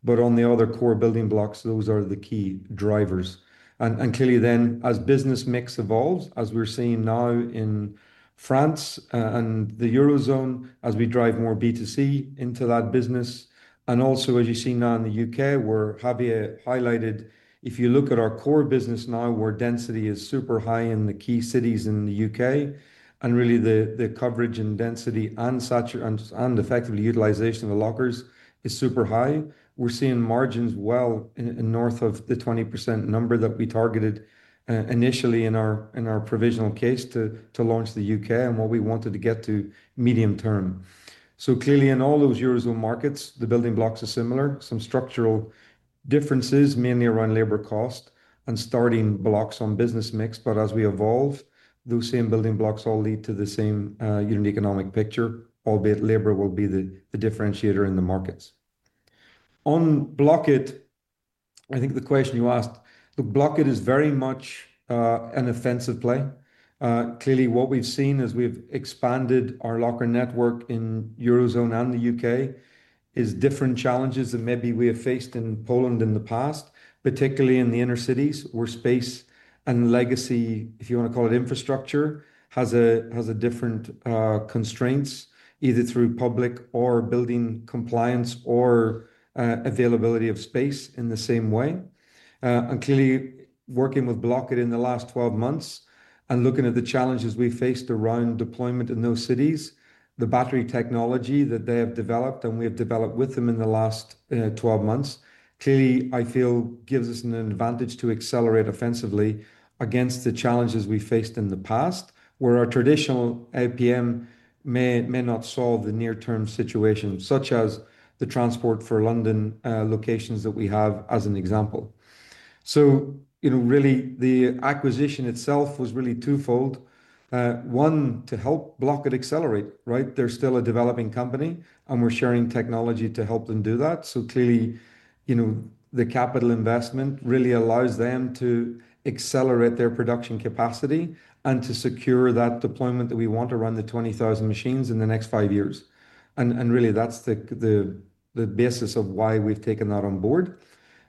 On the other core building blocks, those are the key drivers. As business mix evolves, as we're seeing now in France and the Eurozone, as we drive more B2C into that business, and also, as you see now in the U.K., where Javier highlighted, if you look at our core business now, where density is super high in the key cities in the U.K., and really the coverage and density and effectively utilization of the lockers is super high. We're seeing margins well in north of the 20% number that we targeted, initially in our provisional case to launch the U.K. and what we wanted to get to medium term. In all those Eurozone markets, the building blocks are similar, some structural differences, mainly around labor cost and starting blocks on business mix. As we evolve, those same building blocks all lead to the same unit economic picture, albeit labor will be the differentiator in the markets. On Bloq.it, I think the question you asked, the Bloq.it is very much an offensive play. Clearly, what we've seen as we've expanded our locker network in the Eurozone and the U.K. is different challenges that maybe we have faced in Poland in the past, particularly in the inner cities, where space and legacy, if you want to call it infrastructure, has different constraints, either through public or building compliance or availability of space in the same way. Clearly, working with Bloq.it in the last 12 months and looking at the challenges we faced around deployment in those cities, the battery technology that they have developed and we have developed with them in the last 12 months, I feel gives us an advantage to accelerate offensively against the challenges we faced in the past, where our traditional APM may not solve the near-term situation, such as the Transport for London locations that we have as an example. The acquisition itself was really twofold. One, to help Bloq.it accelerate, right? They're still a developing company, and we're sharing technology to help them do that. The capital investment really allows them to accelerate their production capacity and to secure that deployment that we want around the 20,000 machines in the next five years. That's the basis of why we've taken that on board.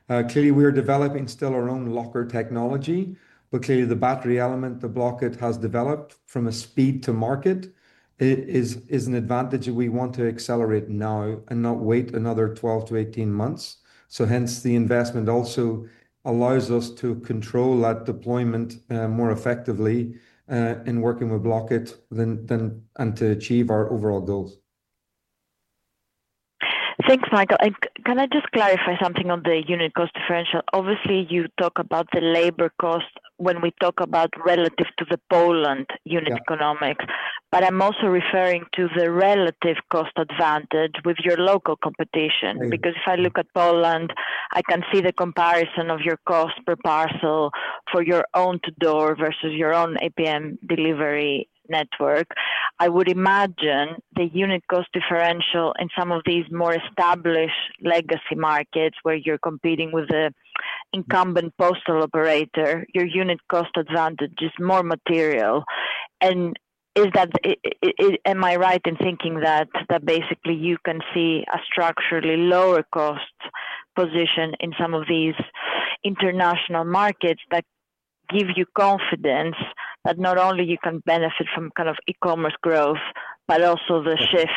We're developing still our own locker technology, but the battery element that Bloq.it has developed from a speed to market is an advantage that we want to accelerate now and not wait another 12 to 18 months. Hence, the investment also allows us to control that deployment more effectively in working with Bloq.it and to achieve our overall goals. Thanks, Michael. Can I just clarify something on the unit cost differential? Obviously, you talk about the labor cost when we talk about relative to the Poland unit economics, but I'm also referring to the relative cost advantage with your local competition. If I look at Poland, I can see the comparison of your cost per parcel for your own to-door versus your own APM delivery network. I would imagine the unit cost differential in some of these more established legacy markets where you're competing with an incumbent postal operator, your unit cost advantage is more material. Is that, am I right in thinking that basically you can see a structurally lower cost position in some of these international markets that give you confidence that not only you can benefit from kind of e-commerce growth, but also the shift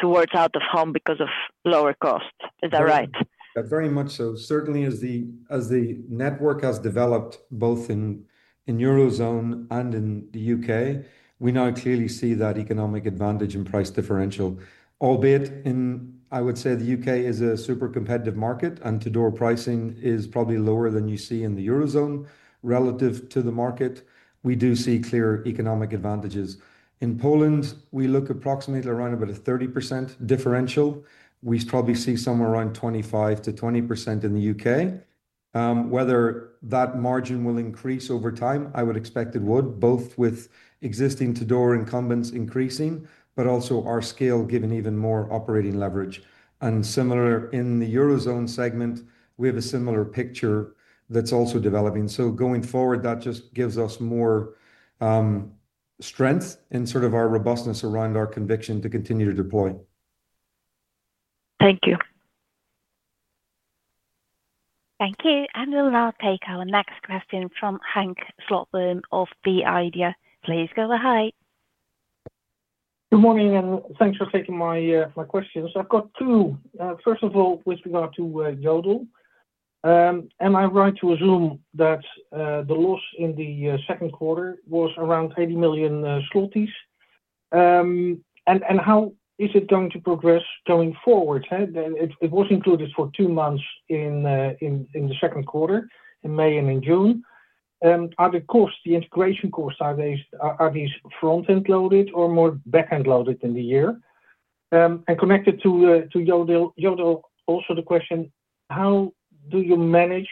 towards out-of-home because of lower cost? Is that right? Yeah, very much so. Certainly, as the network has developed both in the Eurozone and in the U.K., we now clearly see that economic advantage in price differential. Albeit, I would say, the U.K. is a super competitive market and to-door pricing is probably lower than you see in the Eurozone relative to the market. We do see clear economic advantages. In Poland, we look approximately around about a 30% differential. We probably see somewhere around 25%-20% in the U.K.. Whether that margin will increase over time, I would expect it would, both with existing to-door incumbents increasing, but also our scale giving even more operating leverage. Similar in the Eurozone segment, we have a similar picture that's also developing. Going forward, that just gives us more strength in our robustness around our conviction to continue to deploy. Thank you. Thank you. We'll now take our next question from Henk Slotboom of the IDEA! Please go ahead. Good morning, and thanks for taking my questions. I've got two. First of all, with regard to Yodel, am I right to assume that the loss in the second quarter was around 80 million zlotys? How is it going to progress going forward? It was included for two months in the second quarter, in May and in June. Are the costs, the integration costs, front-end loaded or more back-end loaded in the year? Connected to Yodel, also the question, how do you manage,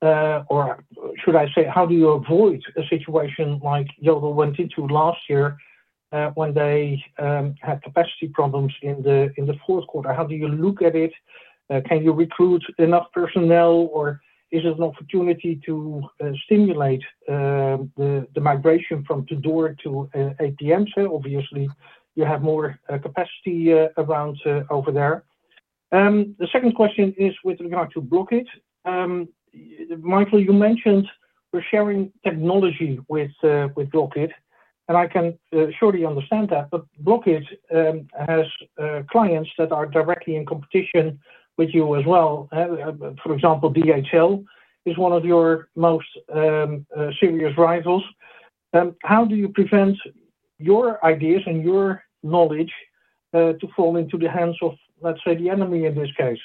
or should I say, how do you avoid a situation like Yodel went into last year when they had capacity problems in the fourth quarter? How do you look at it? Can you recruit enough personnel, or is it an opportunity to stimulate the migration from to-door to APMs? Obviously, you have more capacity around over there. The second question is with regard to Bloq.it. Michael, you mentioned we're sharing technology with Bloq.it, and I can surely understand that. Bloq.it has clients that are directly in competition with you as well. For example, DHL is one of your most serious rivals. How do you prevent your ideas and your knowledge to fall into the hands of, let's say, the enemy in this case?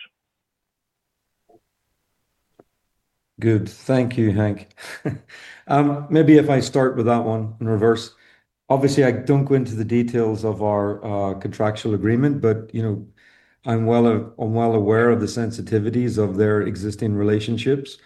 Good. Thank you, Hank. Maybe if I start with that one in reverse. Obviously, I don't go into the details of our contractual agreement, but I'm well aware of the sensitivities of their existing relationships.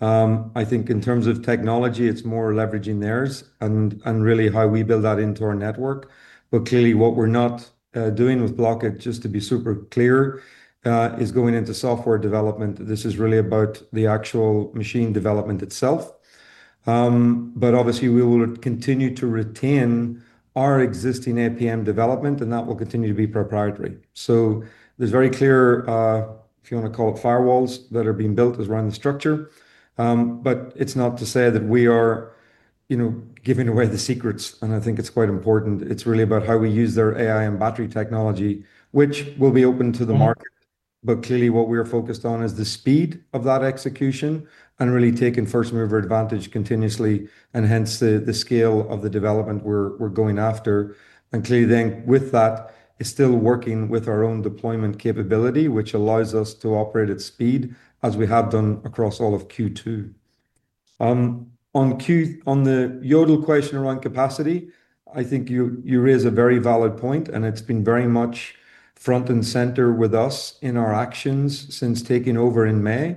I think in terms of technology, it's more leveraging theirs and really how we build that into our network. What we're not doing with Bloq.it, just to be super clear, is going into software development. This is really about the actual machine development itself. We will continue to retain our existing APM development, and that will continue to be proprietary. There are very clear, if you want to call it, firewalls that are being built around the structure. It's not to say that we are giving away the secrets, and I think it's quite important. It's really about how we use their AI and battery technology, which will be open to the market. What we are focused on is the speed of that execution and really taking first-mover advantage continuously, hence the scale of the development we're going after. With that, it's still working with our own deployment capability, which allows us to operate at speed as we have done across all of Q2. On the Yodel question around capacity, I think you raise a very valid point, and it's been very much front and center with us in our actions since taking over in May.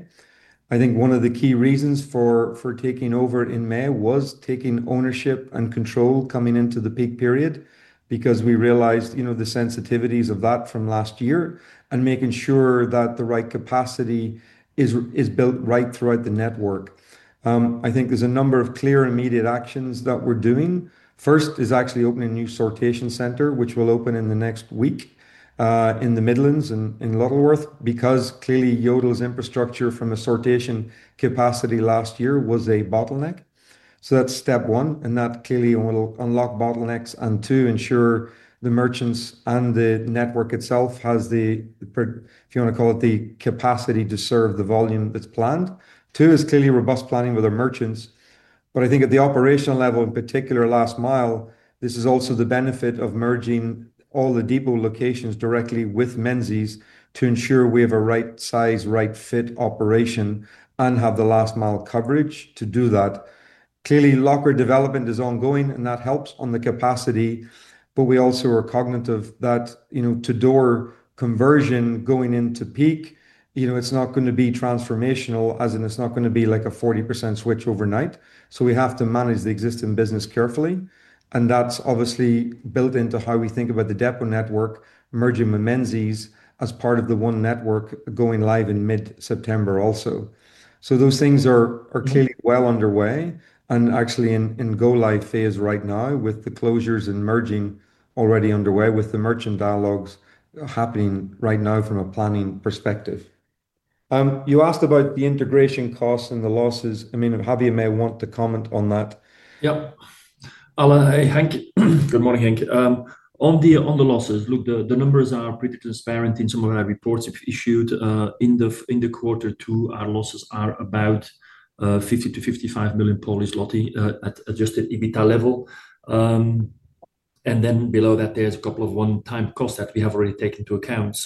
One of the key reasons for taking over in May was taking ownership and control coming into the peak period because we realized the sensitivities of that from last year and making sure that the right capacity is built right throughout the network. There are a number of clear immediate actions that we're doing. First is actually opening a new sortation center, which will open in the next week, in the Midlands and in Lutterworth because Yodel's infrastructure from a sortation capacity last year was a bottleneck. That's step one, and that will unlock bottlenecks to ensure the merchants and the network itself have the, if you want to call it, the capacity to serve the volume that's planned. Two is robust planning with our merchants. At the operational level, in particular last mile, this is also the benefit of merging all the depot locations directly with Menzies to ensure we have a right size, right fit operation and have the last mile coverage to do that. Clearly, locker development is ongoing, and that helps on the capacity. We also are cognizant that, you know, to-door conversion going into peak, you know, it's not going to be transformational as in it's not going to be like a 40% switch overnight. We have to manage the existing business carefully. That's obviously built into how we think about the depot network merging with Menzies as part of the one network going live in mid-September also. Those things are clearly well underway and actually in go-live phase right now, with the closures and merging already underway, with the merchant dialogues happening right now from a planning perspective. You asked about the integration costs and the losses. I mean, Javier may want to comment on that. Yeah. Hank, good morning, Hank. On the losses, look, the numbers are pretty transparent in some of our reports issued. In Q2, our losses are about 50 million-55 million at adjusted EBITDA level. Below that, there's a couple of one-time costs that we have already taken into account.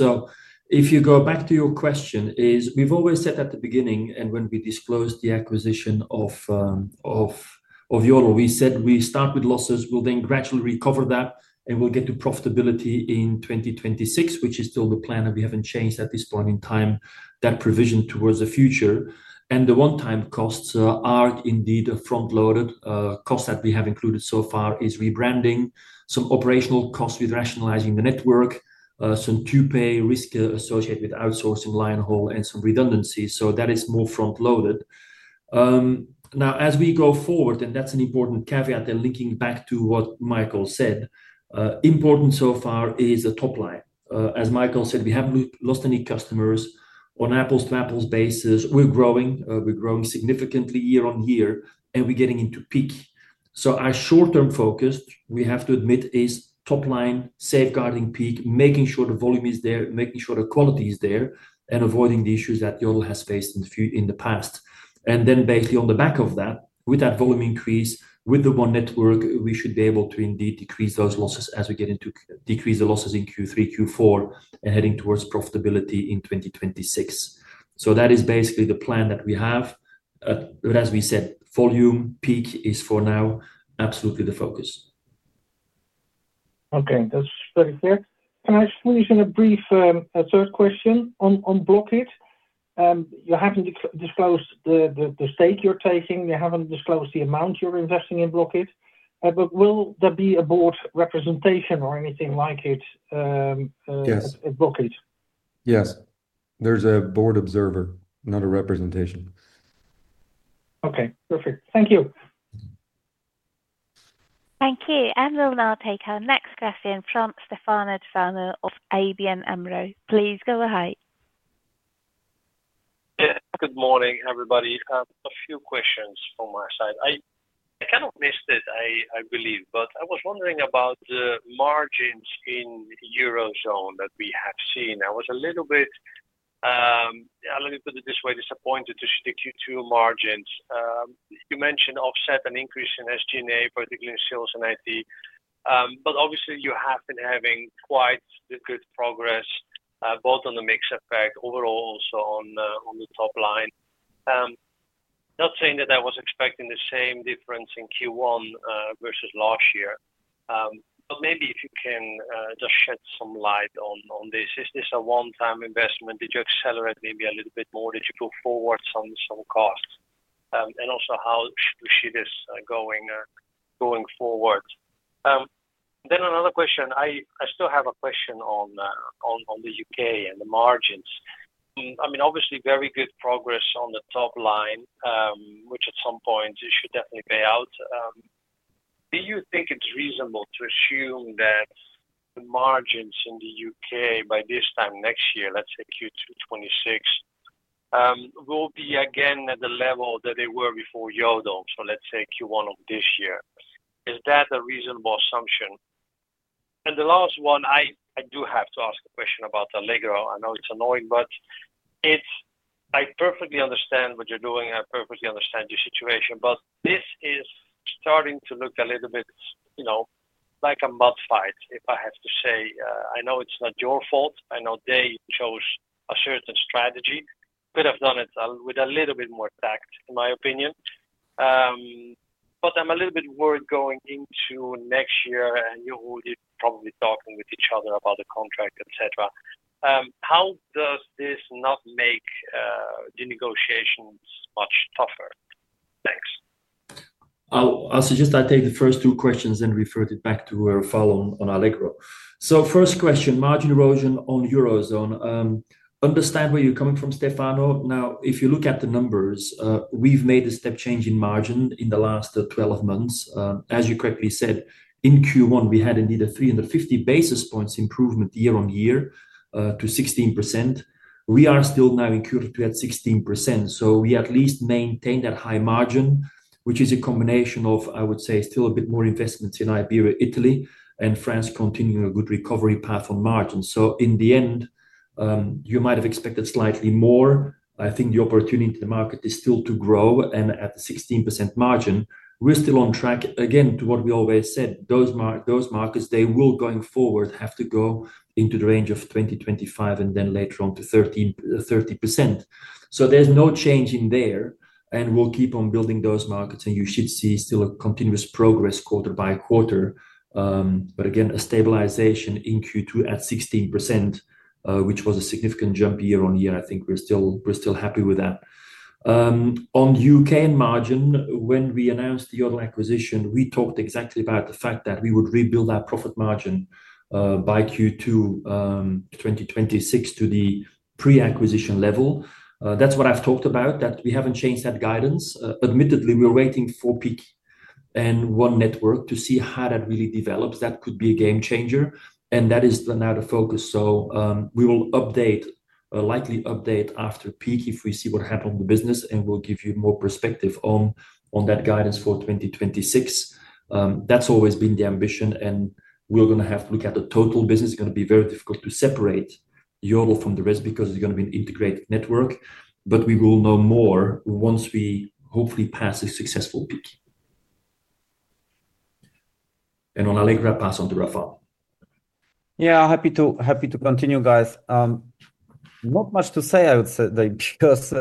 If you go back to your question, we've always said at the beginning, and when we disclosed the acquisition of Yodel, we said we start with losses, we'll then gradually recover that, and we'll get to profitability in 2026, which is still the plan, and we haven't changed at this point in time that provision towards the future. The one-time costs are indeed front-loaded. Costs that we have included so far are rebranding, some operational costs with rationalizing the network, some to-pay risk associated with outsourcing line haul, and some redundancies. That is more front-loaded. Now, as we go forward, and that's an important caveat and linking back to what Michael said, important so far is the top line. As Michael said, we haven't lost any customers on apples-to-apples basis. We're growing. We're growing significantly year on year, and we're getting into peak. Our short-term focus, we have to admit, is top line, safeguarding peak, making sure the volume is there, making sure the quality is there, and avoiding the issues that Yodel has faced in the past. Basically on the back of that, with that volume increase, with the one network, we should be able to indeed decrease those losses as we get into decrease the losses in Q3, Q4, and heading towards profitability in 2026. That is basically the plan that we have. As we said, volume peak is for now absolutely the focus. Okay, that's very clear. Can I just squeeze in a brief, a third question on Bloq.it? You haven't disclosed the stake you're taking. You haven't disclosed the amount you're investing in Bloq.it. Will there be a board representation or anything like it at Bloq.it? Yes, there's a board observer, not a representation. Okay. Perfect. Thank you. Thank you. We'll now take our next question from Stefano Toffano of ABN AMRO. Please go ahead. Yeah. Good morning, everybody. A few questions on my side. I kind of missed it, I believe, but I was wondering about the margins in the Eurozone that we have seen. I was a little bit, let me put it this way, disappointed to see the Q2 margins. You mentioned offset an increase in SG&A, particularly in sales and IT. Obviously, you have been having quite good progress, both on the mix effect, overall, also on the top line. Not saying that I was expecting the same difference in Q1 versus last year. Maybe if you can just shed some light on this. Is this a one-time investment? Did you accelerate maybe a little bit more? Did you go forward some costs? Also, how do you see this going forward? Another question. I still have a question on the U.K. and the margins. Obviously, very good progress on the top line, which at some point you should definitely pay out. Do you think it's reasonable to assume that the margins in the U.K. by this time next year, let's say Q2 2026, will be again at the level that they were before Yodel, so let's say Q1 of this year? Is that a reasonable assumption? The last one, I do have to ask a question about Allegro. I know it's annoying, but I perfectly understand what you're doing. I perfectly understand your situation. This is starting to look a little bit, you know, like a mud fight, if I have to say. I know it's not your fault. I know they chose a certain strategy. Could have done it with a little bit more tact, in my opinion. I'm a little bit worried going into next year, and you all will be probably talking with each other about the contract, etc. How does this not make the negotiations much tougher? Thanks. I'll suggest I take the first two questions and refer it back to our follow-on on Allegro. First question, margin erosion on Eurozone. Understand where you're coming from, Stefano. If you look at the numbers, we've made a step change in margin in the last 12 months. As you correctly said, in Q1, we had indeed a 350 basis points improvement year on year to 16%. We are still now in Q2 at 16%. We at least maintain that high margin, which is a combination of, I would say, still a bit more investments in Iberia, Italy, and France continuing a good recovery path on margins. In the end, you might have expected slightly more. I think the opportunity in the market is still to grow. At the 16% margin, we're still on track, again, to what we always said. Those markets, they will going forward have to go into the range of 20%, 25%, and then later on to 30%. There's no change in there, and we'll keep on building those markets. You should see still a continuous progress quarter by quarter. Again, a stabilization in Q2 at 16%, which was a significant jump year on year. I think we're still happy with that. On the U.K. margin, when we announced the Yodel acquisition, we talked exactly about the fact that we would rebuild our profit margin by Q2 2026 to the pre-acquisition level. That's what I've talked about, that we haven't changed that guidance. Admittedly, we're waiting for peak and one network to see how that really develops. That could be a game changer, and that is now the focus. We will update, likely update after peak if we see what happened with the business, and we'll give you more perspective on that guidance for 2026. That's always been the ambition, and we're going to have to look at the total business. It's going to be very difficult to separate Yodel from the rest because it's going to be an integrated network. We will know more once we hopefully pass a successful peak. On Allegro, I pass on to Rafał. Yeah, happy to continue, guys. Not much to say, I would say. Because,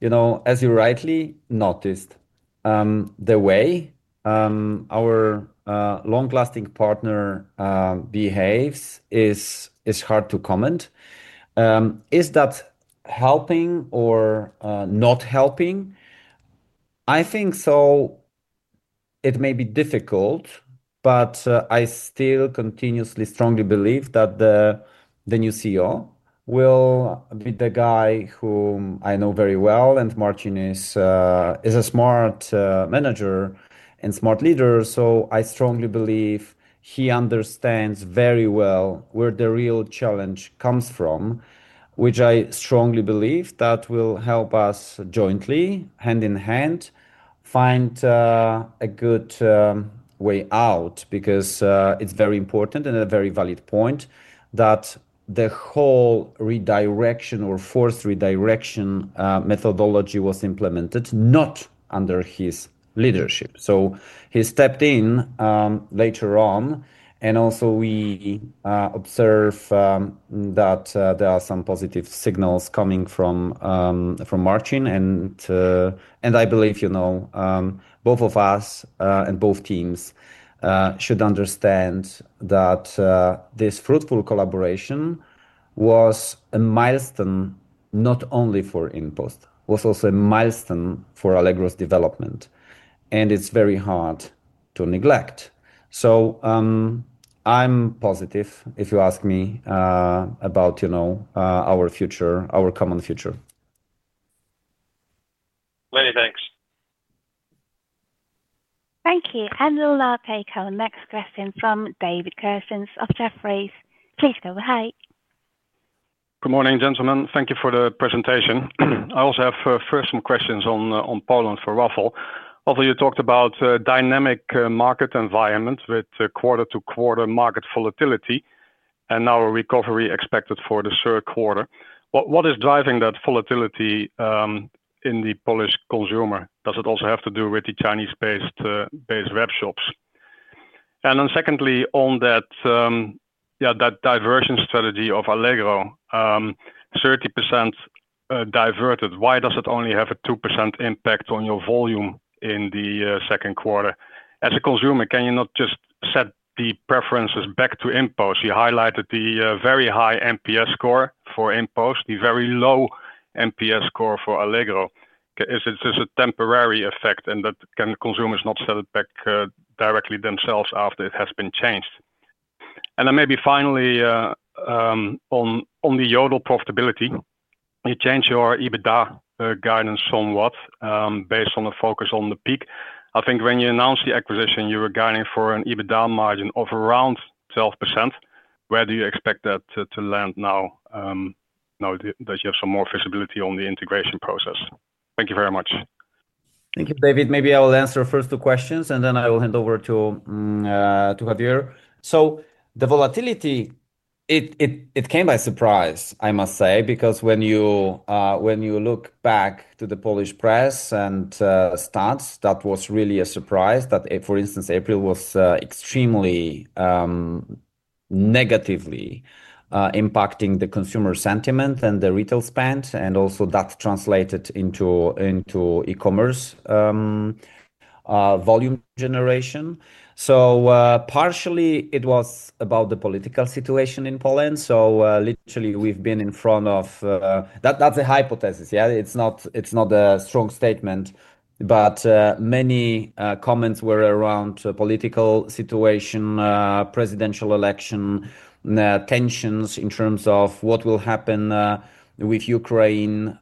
you know, as you rightly noticed, the way our long-lasting partner behaves is hard to comment. Is that helping or not helping? I think so. It may be difficult, but I still continuously strongly believe that the new CEO will be the guy whom I know very well, and Marcin is a smart manager and smart leader. I strongly believe he understands very well where the real challenge comes from, which I strongly believe that will help us jointly, hand in hand, find a good way out because it's very important and a very valid point that the whole redirection or forced redirection methodology was implemented not under his leadership. He stepped in later on, and also we observe that there are some positive signals coming from Marcin, and I believe, you know, both of us and both teams should understand that this fruitful collaboration was a milestone not only for InPost, was also a milestone for Allegro's development, and it's very hard to neglect. I'm positive, if you ask me, about, you know, our future, our common future. Many thanks. Thank you. We'll now take our next question from David Kerstens of Jefferies. Please go ahead. Good morning, gentlemen. Thank you for the presentation. I also have first some questions on Poland for Rafał. You talked about a dynamic market environment with quarter-to-quarter market volatility and now a recovery expected for the third quarter. What is driving that volatility in the Polish consumer? Does it also have to do with the Chinese-based web shops? Secondly, on that diversion strategy of Allegro, 30% diverted. Why does it only have a 2% impact on your volume in the second quarter? As a consumer, can you not just set. The Preferences back to InPost, you highlighted the very high NPS score for InPost, the very low NPS score for Allegro. Is it just a temporary effect that consumers cannot sell it back directly themselves after it has been changed? Finally, on the yield or profitability, you changed your EBITDA guidance somewhat based on the focus on the peak. I think when you announced the acquisition, you were guiding for an EBITDA margin of around 12%. Where do you expect that to land now, now that you have some more visibility on the integration process? Thank you very much. Thank you, David. Maybe I'll answer the first two questions and then I will hand over to Javier. The volatility, it came by surprise, I must say, because when you look back to the Polish press and stats, that was really a surprise that, for instance, April was extremely, negatively, impacting the consumer sentiment and the retail spend. That also translated into e-commerce volume generation. Partially it was about the political situation in Poland. Literally we've been in front of, that's a hypothesis. Yeah, it's not a strong statement. Many comments were around the political situation, presidential election, tensions in terms of what will happen with Ukraine,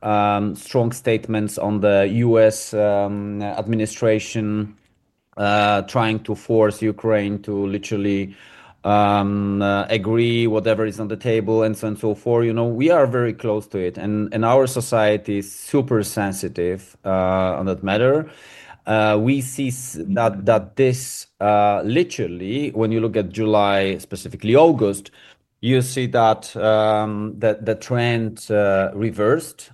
strong statements on the U.S. administration trying to force Ukraine to literally agree whatever is on the table and so on and so forth. You know, we are very close to it and our society is super sensitive on that matter. We see that this, literally, when you look at July, specifically August, you see that the trend reversed,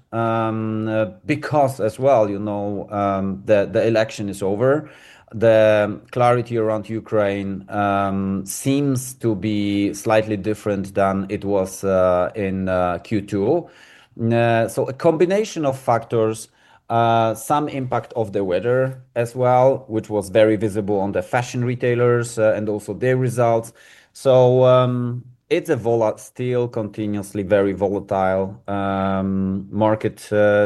because as well, you know, the election is over. The clarity around Ukraine seems to be slightly different than it was in Q2. A combination of factors, some impact of the weather as well, which was very visible on the fashion retailers and also their results. It's a still continuously very volatile market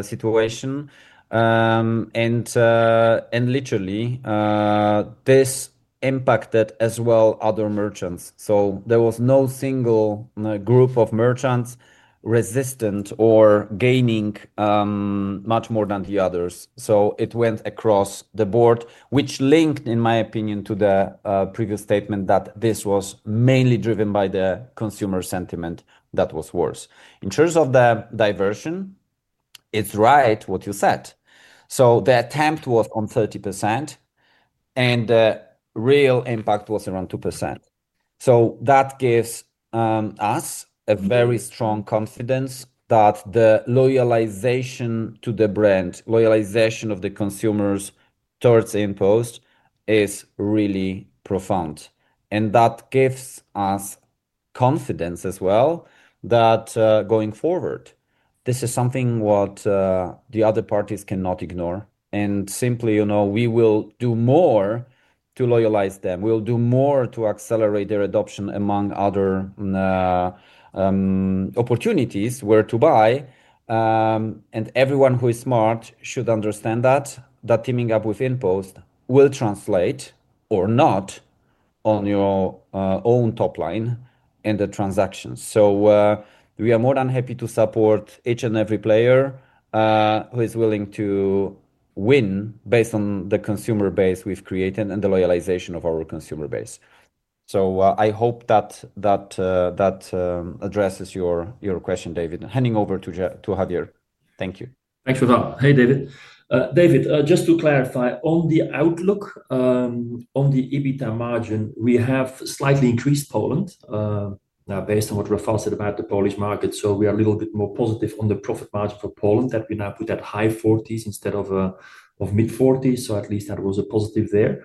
situation. Literally, this impacted as well other merchants. There was no single group of merchants resistant or gaining much more than the others. It went across the board, which linked, in my opinion, to the previous statement that this was mainly driven by the consumer sentiment that was worse. In terms of the diversion, it's right what you said. The attempt was on 30% and the real impact was around 2%. That gives us a very strong confidence that the loyalization to the brand, loyalization of the consumers towards InPost is really profound. That gives us confidence as well that, going forward, this is something that the other parties cannot ignore. Simply, you know, we will do more to loyalize them. We'll do more to accelerate their adoption among other opportunities where to buy. Everyone who is smart should understand that teaming up with InPost will translate or not on your own top line and the transactions. We are more than happy to support each and every player who is willing to win based on the consumer base we've created and the loyalization of our consumer base. I hope that addresses your question, David. Handing over to Javier. Thank you. Thanks for that. Hey, David. David, just to clarify on the outlook, on the EBITDA margin, we have slightly increased Poland, now based on what Rafał said about the Polish market. We are a little bit more positive on the profit margin for Poland that we now put at high 40s instead of mid 40s. At least that was a positive there.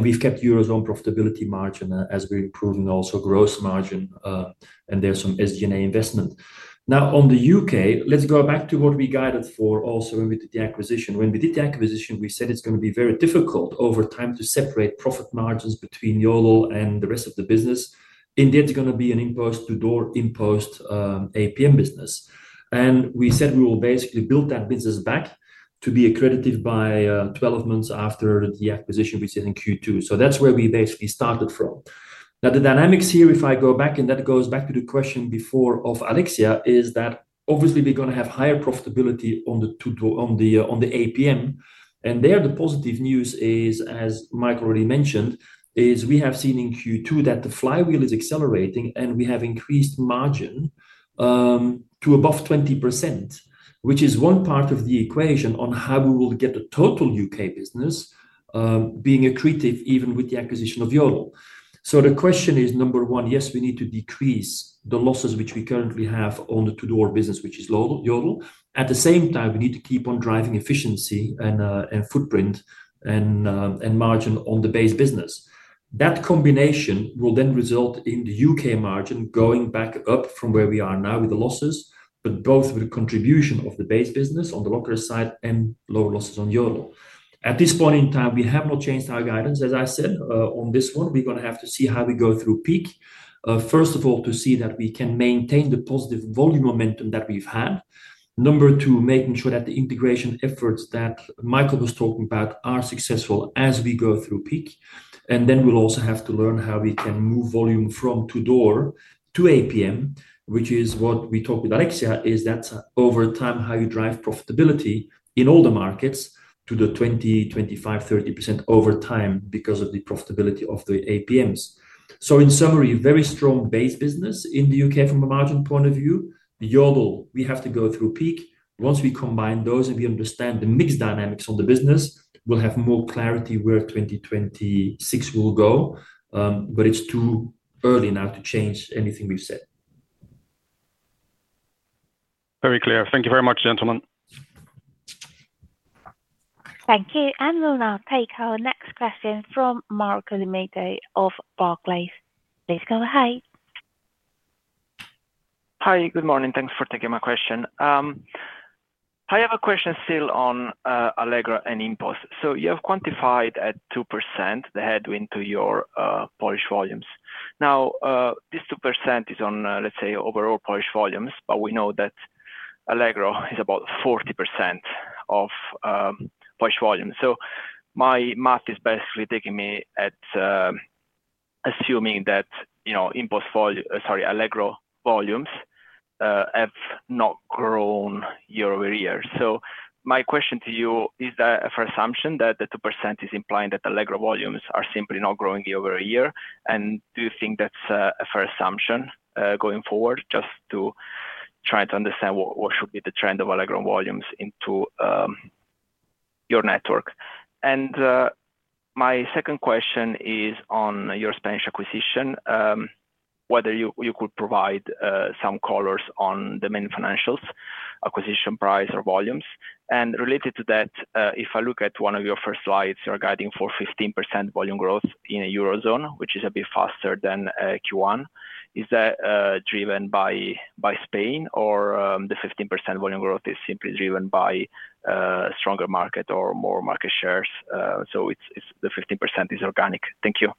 We've kept Eurozone profitability margin as we've proven also gross margin, and there's some SG&A investment. Now on the U.K., let's go back to what we guided for also when we did the acquisition. When we did the acquisition, we said it's going to be very difficult over time to separate profit margins between Yodel and the rest of the business. Indeed, it's going to be an InPost to-door, InPost APM business. We said we will basically build that business back to be accretive by 12 months after the acquisition, which is in Q2. That's where we basically started from. The dynamics here, if I go back, and that goes back to the question before of Alexia, is that obviously we're going to have higher profitability on the APM. The positive news is, as Mike already mentioned, we have seen in Q2 that the flywheel is accelerating and we have increased margin to above 20%, which is one part of the equation on how we will get the total U.K. business being accretive even with the acquisition of Yodel. The question is, number one, yes, we need to decrease the losses which we currently have on the to-door business, which is Yodel. At the same time, we need to keep on driving efficiency and footprint and margin on the base business. That combination will then result in the U.K. margin going back up from where we are now with the losses, but both with the contribution of the base business on the locker side and lower losses on Yodel. At this point in time, we have not changed our guidance, as I said, on this one. We're going to have to see how we go through peak. First of all, to see that we can maintain the positive volume momentum that we've had. Number two, making sure that the integration efforts that Michael was talking about are successful as we go through peak. We'll also have to learn how we can move volume from to-door to APM, which is what we talked with Alexia, as that's over time how you drive profitability in all the markets to the 20%, 25%, 30% over time because of the profitability of the APMs. In summary, very strong base business in the U.K. from a margin point of view. Yodel, we have to go through peak. Once we combine those and we understand the mixed dynamics of the business, we'll have more clarity where 2026 will go. It's too early now to change anything we've said. Very clear. Thank you very much, gentlemen. Thank you. We'll now take our next question from Marco Limite of Barclays. Please go ahead. Hi, good morning. Thanks for taking my question. I have a question still on Allegro and InPost. You have quantified at 2% the headwind to your Polish volumes. This 2% is on, let's say, overall Polish volumes, but we know that Allegro is about 40% of Polish volumes. My math is basically taking me at assuming that, you know, InPost volumes, sorry, Allegro volumes have not grown year-over-year. My question to you is that a fair assumption that the 2% is implying that Allegro volumes are simply not growing year-over-year? Do you think that's a fair assumption going forward, just to try to understand what should be the trend of Allegro volumes into your network? My second question is on your Spanish acquisition, whether you could provide some colors on the main financials, acquisition price or volumes. Related to that, if I look at one of your first slides, you're guiding for 15% volume growth in a Eurozone, which is a bit faster than Q1. Is that driven by Spain or the 15% volume growth is simply driven by a stronger market or more market shares? The 15% is organic. Thank you.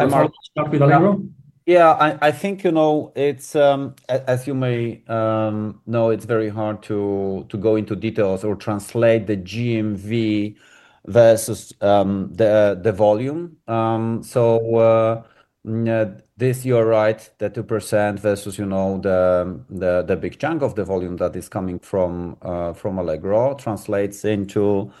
Hi, Mark. [Allegro?] Yeah, I think, as you may know, it's very hard to go into details or translate the GMV versus the volume. You are right that 2% versus the big chunk of the volume that is coming from Allegro translates into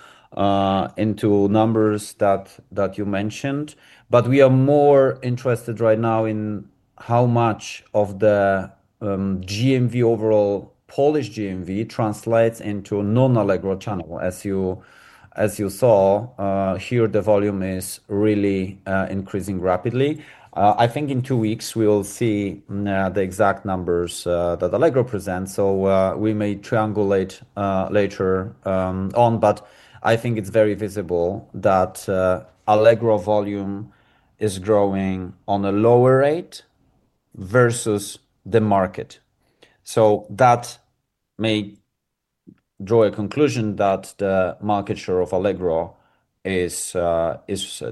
numbers that you mentioned. We are more interested right now in how much of the GMV overall Polish GMV translates into a non-Allegro channel. As you saw, the volume is really increasing rapidly. I think in two weeks, we'll see the exact numbers that Allegro presents. We may triangulate later on, but I think it's very visible that Allegro volume is growing at a lower rate versus the market. That may draw a conclusion that the market share of Allegro is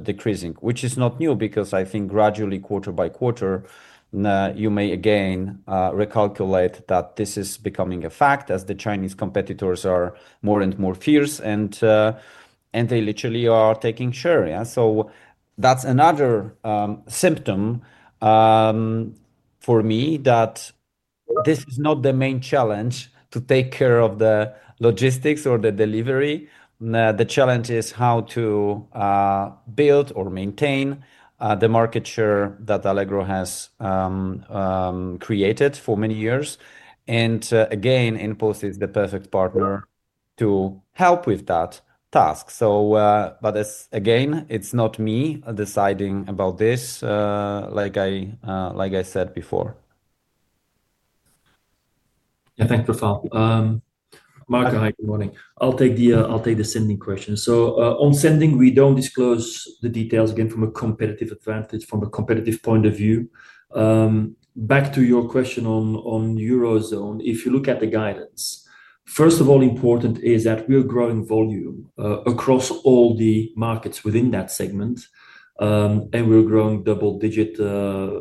decreasing, which is not new because I think gradually, quarter by quarter, you may again recalculate that this is becoming a fact as the Chinese competitors are more and more fierce and they literally are taking share. That's another symptom for me that this is not the main challenge to take care of the logistics or the delivery. The challenge is how to build or maintain the market share that Allegro has created for many years. InPost is the perfect partner to help with that task. It's not me deciding about this, like I said before. Yeah, thanks, Rafał. Marco, hi, good morning. I'll take the Sendingg question. On Sendingg, we don't disclose the details again from a competitive advantage, from a competitive point of view. Back to your question on Eurozone, if you look at the guidance, first of all, important is that we're growing volume across all the markets within that segment. We're growing double digit,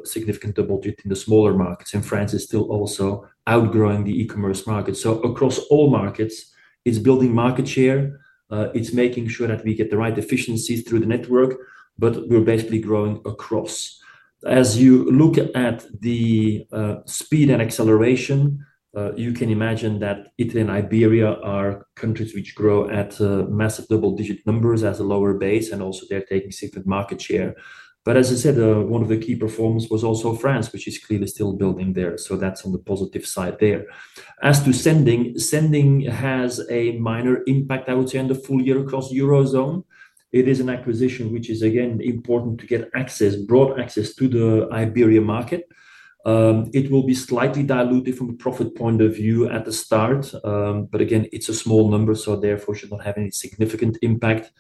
significant double digit in the smaller markets. France is still also outgrowing the e-commerce market. Across all markets, it's building market share. It's making sure that we get the right efficiencies through the network, but we're basically growing across. As you look at the speed and acceleration, you can imagine that Italy and Iberia are countries which grow at massive double digit numbers as a lower base, and also they're taking significant market share. As I said, one of the key performers was also France, which is clearly still building there. That's on the positive side there. As to Sending, Sending has a minor impact, I would say, on the full year across Eurozone. It is an acquisition which is again important to get broad access to the Iberia market. It will be slightly diluted from a profit point of view at the start. Again, it's a small number, so therefore it should not have any significant impact.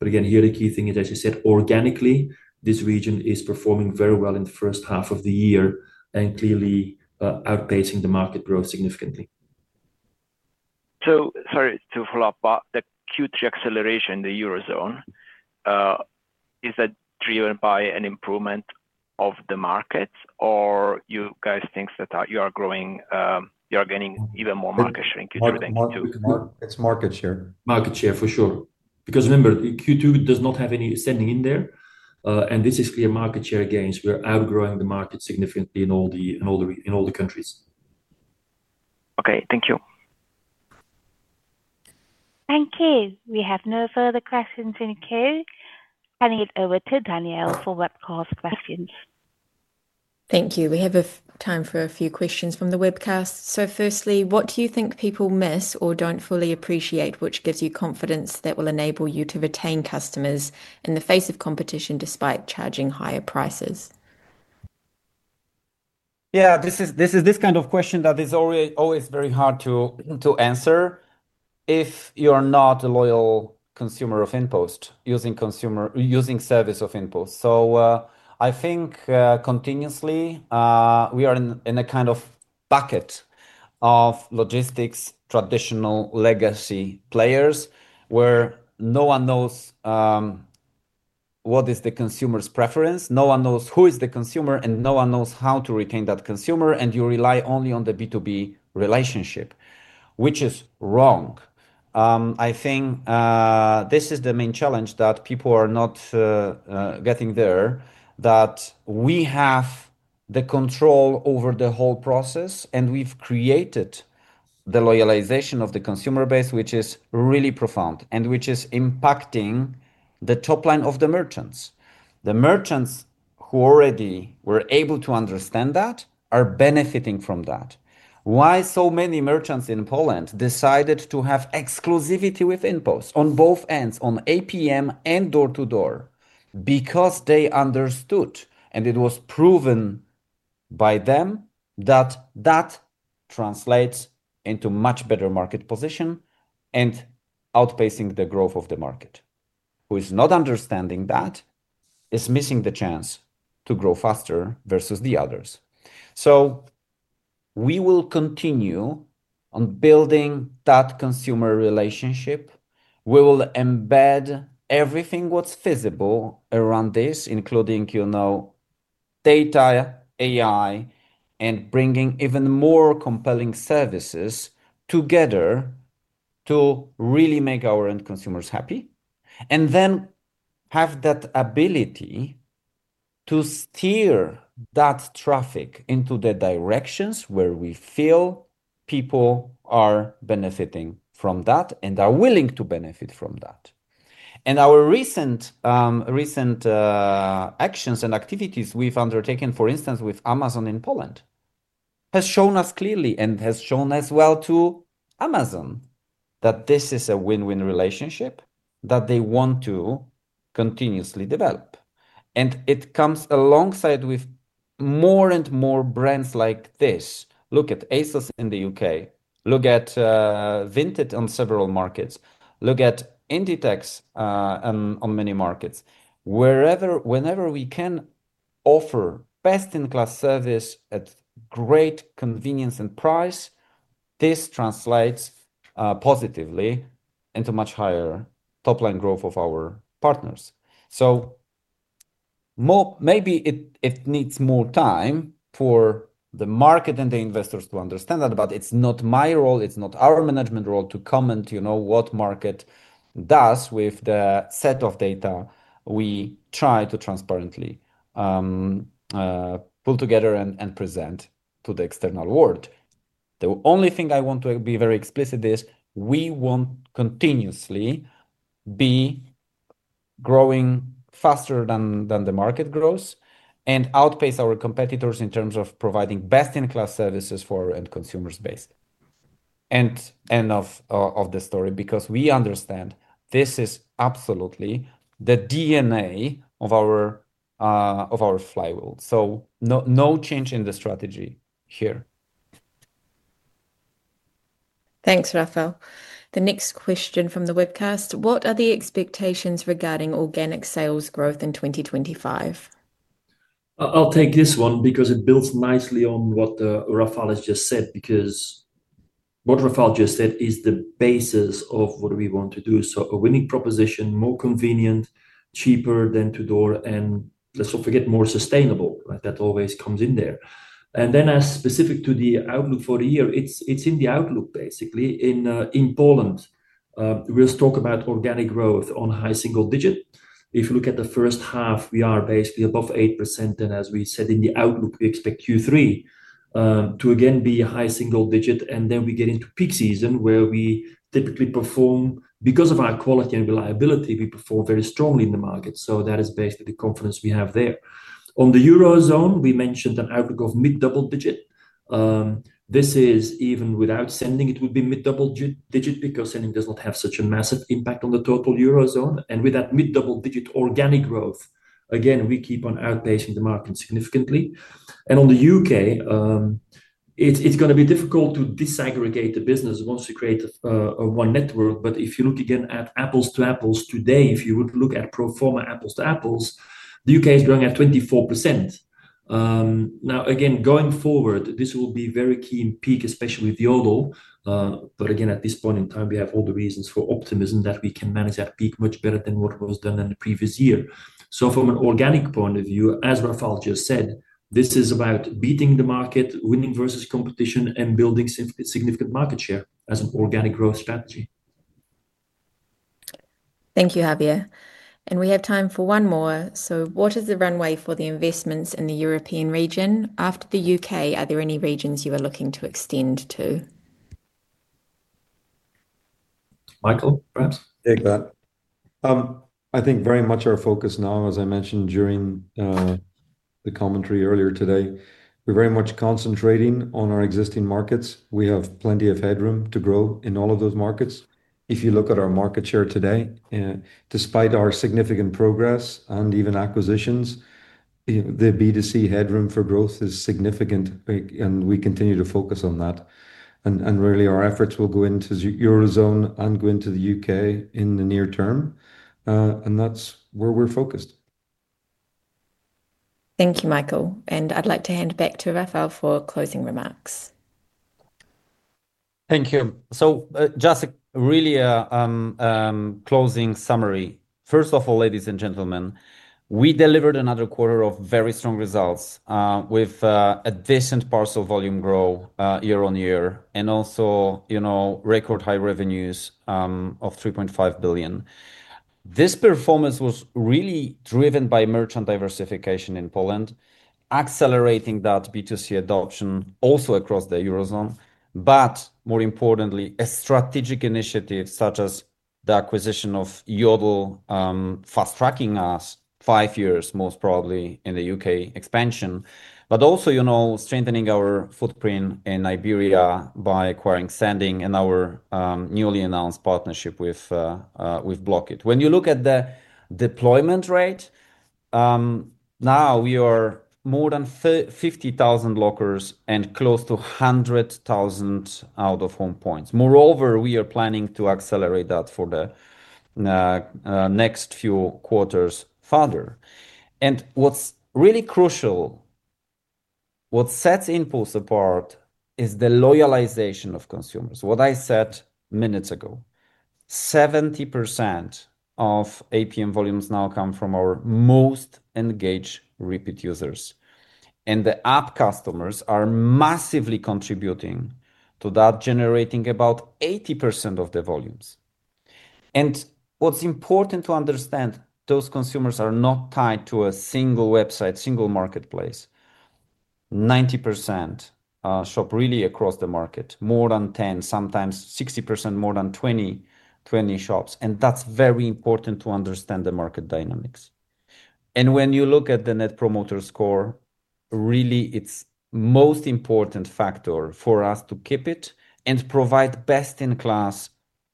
Again, here the key thing is, as you said, organically, this region is performing very well in the first half of the year and clearly outpacing the market growth significantly. Sorry to follow up, but the Q3 acceleration in the Eurozone, is that driven by an improvement of the markets, or do you guys think that you are growing, you are getting even more market share in Q3? It's market share. Market share for sure. Remember, Q2 does not have any Sending in there. This is clear market share gains. We're outgrowing the market significantly in all the countries. Okay, thank you. Thank you. We have no further questions in queue. Turning it over to Danielle for webcast questions. Thank you. We have time for a few questions from the webcast. Firstly, what do you think people miss or don't fully appreciate, which gives you confidence that will enable you to retain customers in the face of competition despite charging higher prices? Yeah, this is this kind of question that is always very hard to answer if you're not a loyal consumer of InPost, using service of InPost. I think continuously, we are in a kind of bucket of logistics, traditional legacy players where no one knows what is the consumer's preference, no one knows who is the consumer, and no one knows how to retain that consumer. You rely only on the B2B relationship, which is wrong. I think this is the main challenge that people are not getting there, that we have the control over the whole process and we've created the loyalization of the consumer base, which is really profound and which is impacting the top line of the merchants. The merchants who already were able to understand that are benefiting from that. Why so many merchants in Poland decided to have exclusivity with InPost on both ends, on APM and door-to-door? They understood, and it was proven by them that that translates into much better market position and outpacing the growth of the market. Who is not understanding that is missing the chance to grow faster versus the others. We will continue on building that consumer relationship. We will embed everything what's feasible around this, including, you know, data, AI, and bringing even more compelling services together to really make our end consumers happy. Then have that ability to steer that traffic into the directions where we feel people are benefiting from that and are willing to benefit from that. Our recent actions and activities we've undertaken, for instance, with Amazon in Poland, have shown us clearly and have shown as well to Amazon that this is a win-win relationship that they want to continuously develop. It comes alongside with more and more brands like this. Look at ASOS in the U.K., look at Vinted on several markets, look at Inditex on many markets. Whenever we can offer best-in-class service at great convenience and price, this translates positively into much higher top-line growth of our partners. Maybe it needs more time for the market and the investors to understand that, but it's not my role, it's not our management role to comment, you know, what market does with the set of data we try to transparently pull together and present to the external world. The only thing I want to be very explicit is we want to continuously be growing faster than the market grows and outpace our competitors in terms of providing best-in-class services for end consumers based. End of the story because we understand this is absolutely the DNA of our flywheel. No change in the strategy here. Thanks, Rafał. The next question from the webcast, what are the expectations regarding organic sales growth in 2025? I'll take this one because it builds nicely on what Rafał has just said because what Rafał just said is the basis of what we want to do. A winning proposition, more convenient, cheaper than to-door, and let's not forget more sustainable, right? That always comes in there. As specific to the outlook for the year, it's in the outlook basically in Poland. We'll talk about organic growth on high single digit. If you look at the first half, we are basically above 8%. As we said in the outlook, we expect Q3 to again be high single digit. We get into peak season where we typically perform because of our quality and reliability, we perform very strongly in the market. That is basically the confidence we have there. On the Eurozone, we mentioned an outlook of mid-double digit. This is even without Sending, it would be mid-double digit because Sending does not have such a massive impact on the total Eurozone. With that mid-double digit organic growth, again, we keep on outpacing the market significantly. On the U.K., it's going to be difficult to disaggregate the business once you create a one network. If you look again at apples to apples today, if you look at pro forma apples to apples, the U.K. is growing at 24%. Going forward, this will be very key in peak, especially with Yodel. At this point in time, we have all the reasons for optimism that we can manage that peak much better than what was done in the previous year. From an organic point of view, as Rafał just said, this is about beating the market, winning versus competition, and building significant market share as an organic growth strategy. Thank you, Javier. We have time for one more. What is the runway for the investments in the European region? After the U.K., are there any regions you are looking to extend to? Michael, perhaps? I'll take that. I think very much our focus now, as I mentioned during the commentary earlier today, we're very much concentrating on our existing markets. We have plenty of headroom to grow in all of those markets. If you look at our market share today, despite our significant progress and even acquisitions, the B2C headroom for growth is significant, and we continue to focus on that. Our efforts will go into the Eurozone and go into the U.K. in the near term. That's where we're focused. Thank you, Michael. I'd like to hand it back to Rafał for closing remarks. Thank you. So, just a, really a closing summary. First of all, ladies and gentlemen, we delivered another quarter of very strong results with a decent parcel volume growth year on year and also, you know, record high revenues of 3.5 billion. This performance was really driven by merchant diversification in Poland, accelerating that B2C adoption also across the Eurozone. More importantly, a strategic initiative such as the acquisition of Yodel, fast tracking us five years, most probably in the U.K. expansion. Also, you know, strengthening our footprint in Iberia by acquiring Sending and our newly announced partnership with Bloq.it. When you look at the deployment rate, now we are more than 50,000 lockers and close to 100,000 out-of-home points. Moreover, we are planning to accelerate that for the next few quarters further. What's really crucial, what sets InPost apart is the loyalization of consumers. What I said minutes ago, 70% of APM volumes now come from our most engaged repeat users. The app customers are massively contributing to that, generating about 80% of the volumes. What's important to understand, those consumers are not tied to a single website, single marketplace. 90% shop really across the market, more than 10, sometimes 60% more than 20 shops. That's very important to understand the market dynamics. When you look at the Net Promoter Score, really, it's the most important factor for us to keep it and provide best-in-class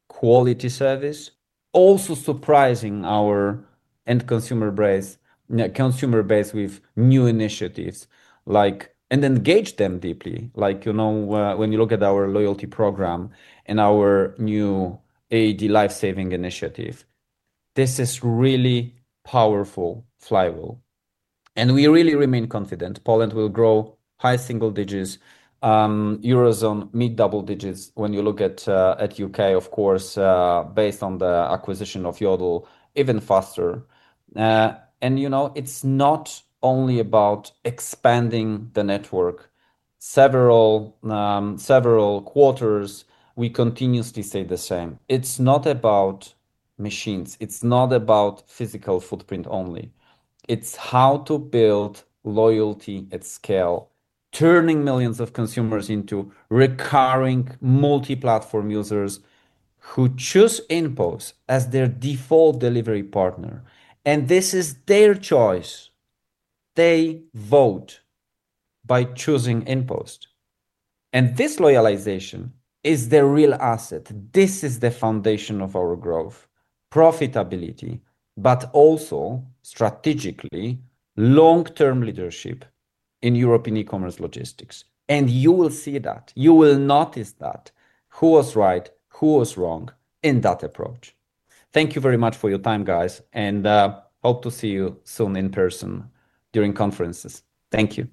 quality service, also surprising our end consumer base with new initiatives and engage them deeply. Like, you know, when you look at our loyalty program and our new AED lifesaving initiative, this is really powerful, flywheel. We really remain confident. Poland will grow high single digits, Eurozone mid-double digits. When you look at U.K., of course, based on the acquisition of Yodel, even faster. You know, it's not only about expanding the network. Several quarters, we continuously say the same. It's not about machines. It's not about physical footprint only. It's how to build loyalty at scale, turning millions of consumers into recurring multi-platform users who choose InPost as their default delivery partner. This is their choice. They vote by choosing InPost. This loyalization is their real asset. This is the foundation of our growth, profitability, but also strategically long-term leadership in European e-commerce logistics. You will see that. You will notice that who was right, who was wrong in that approach. Thank you very much for your time, guys, and hope to see you soon in person during conferences. Thank you.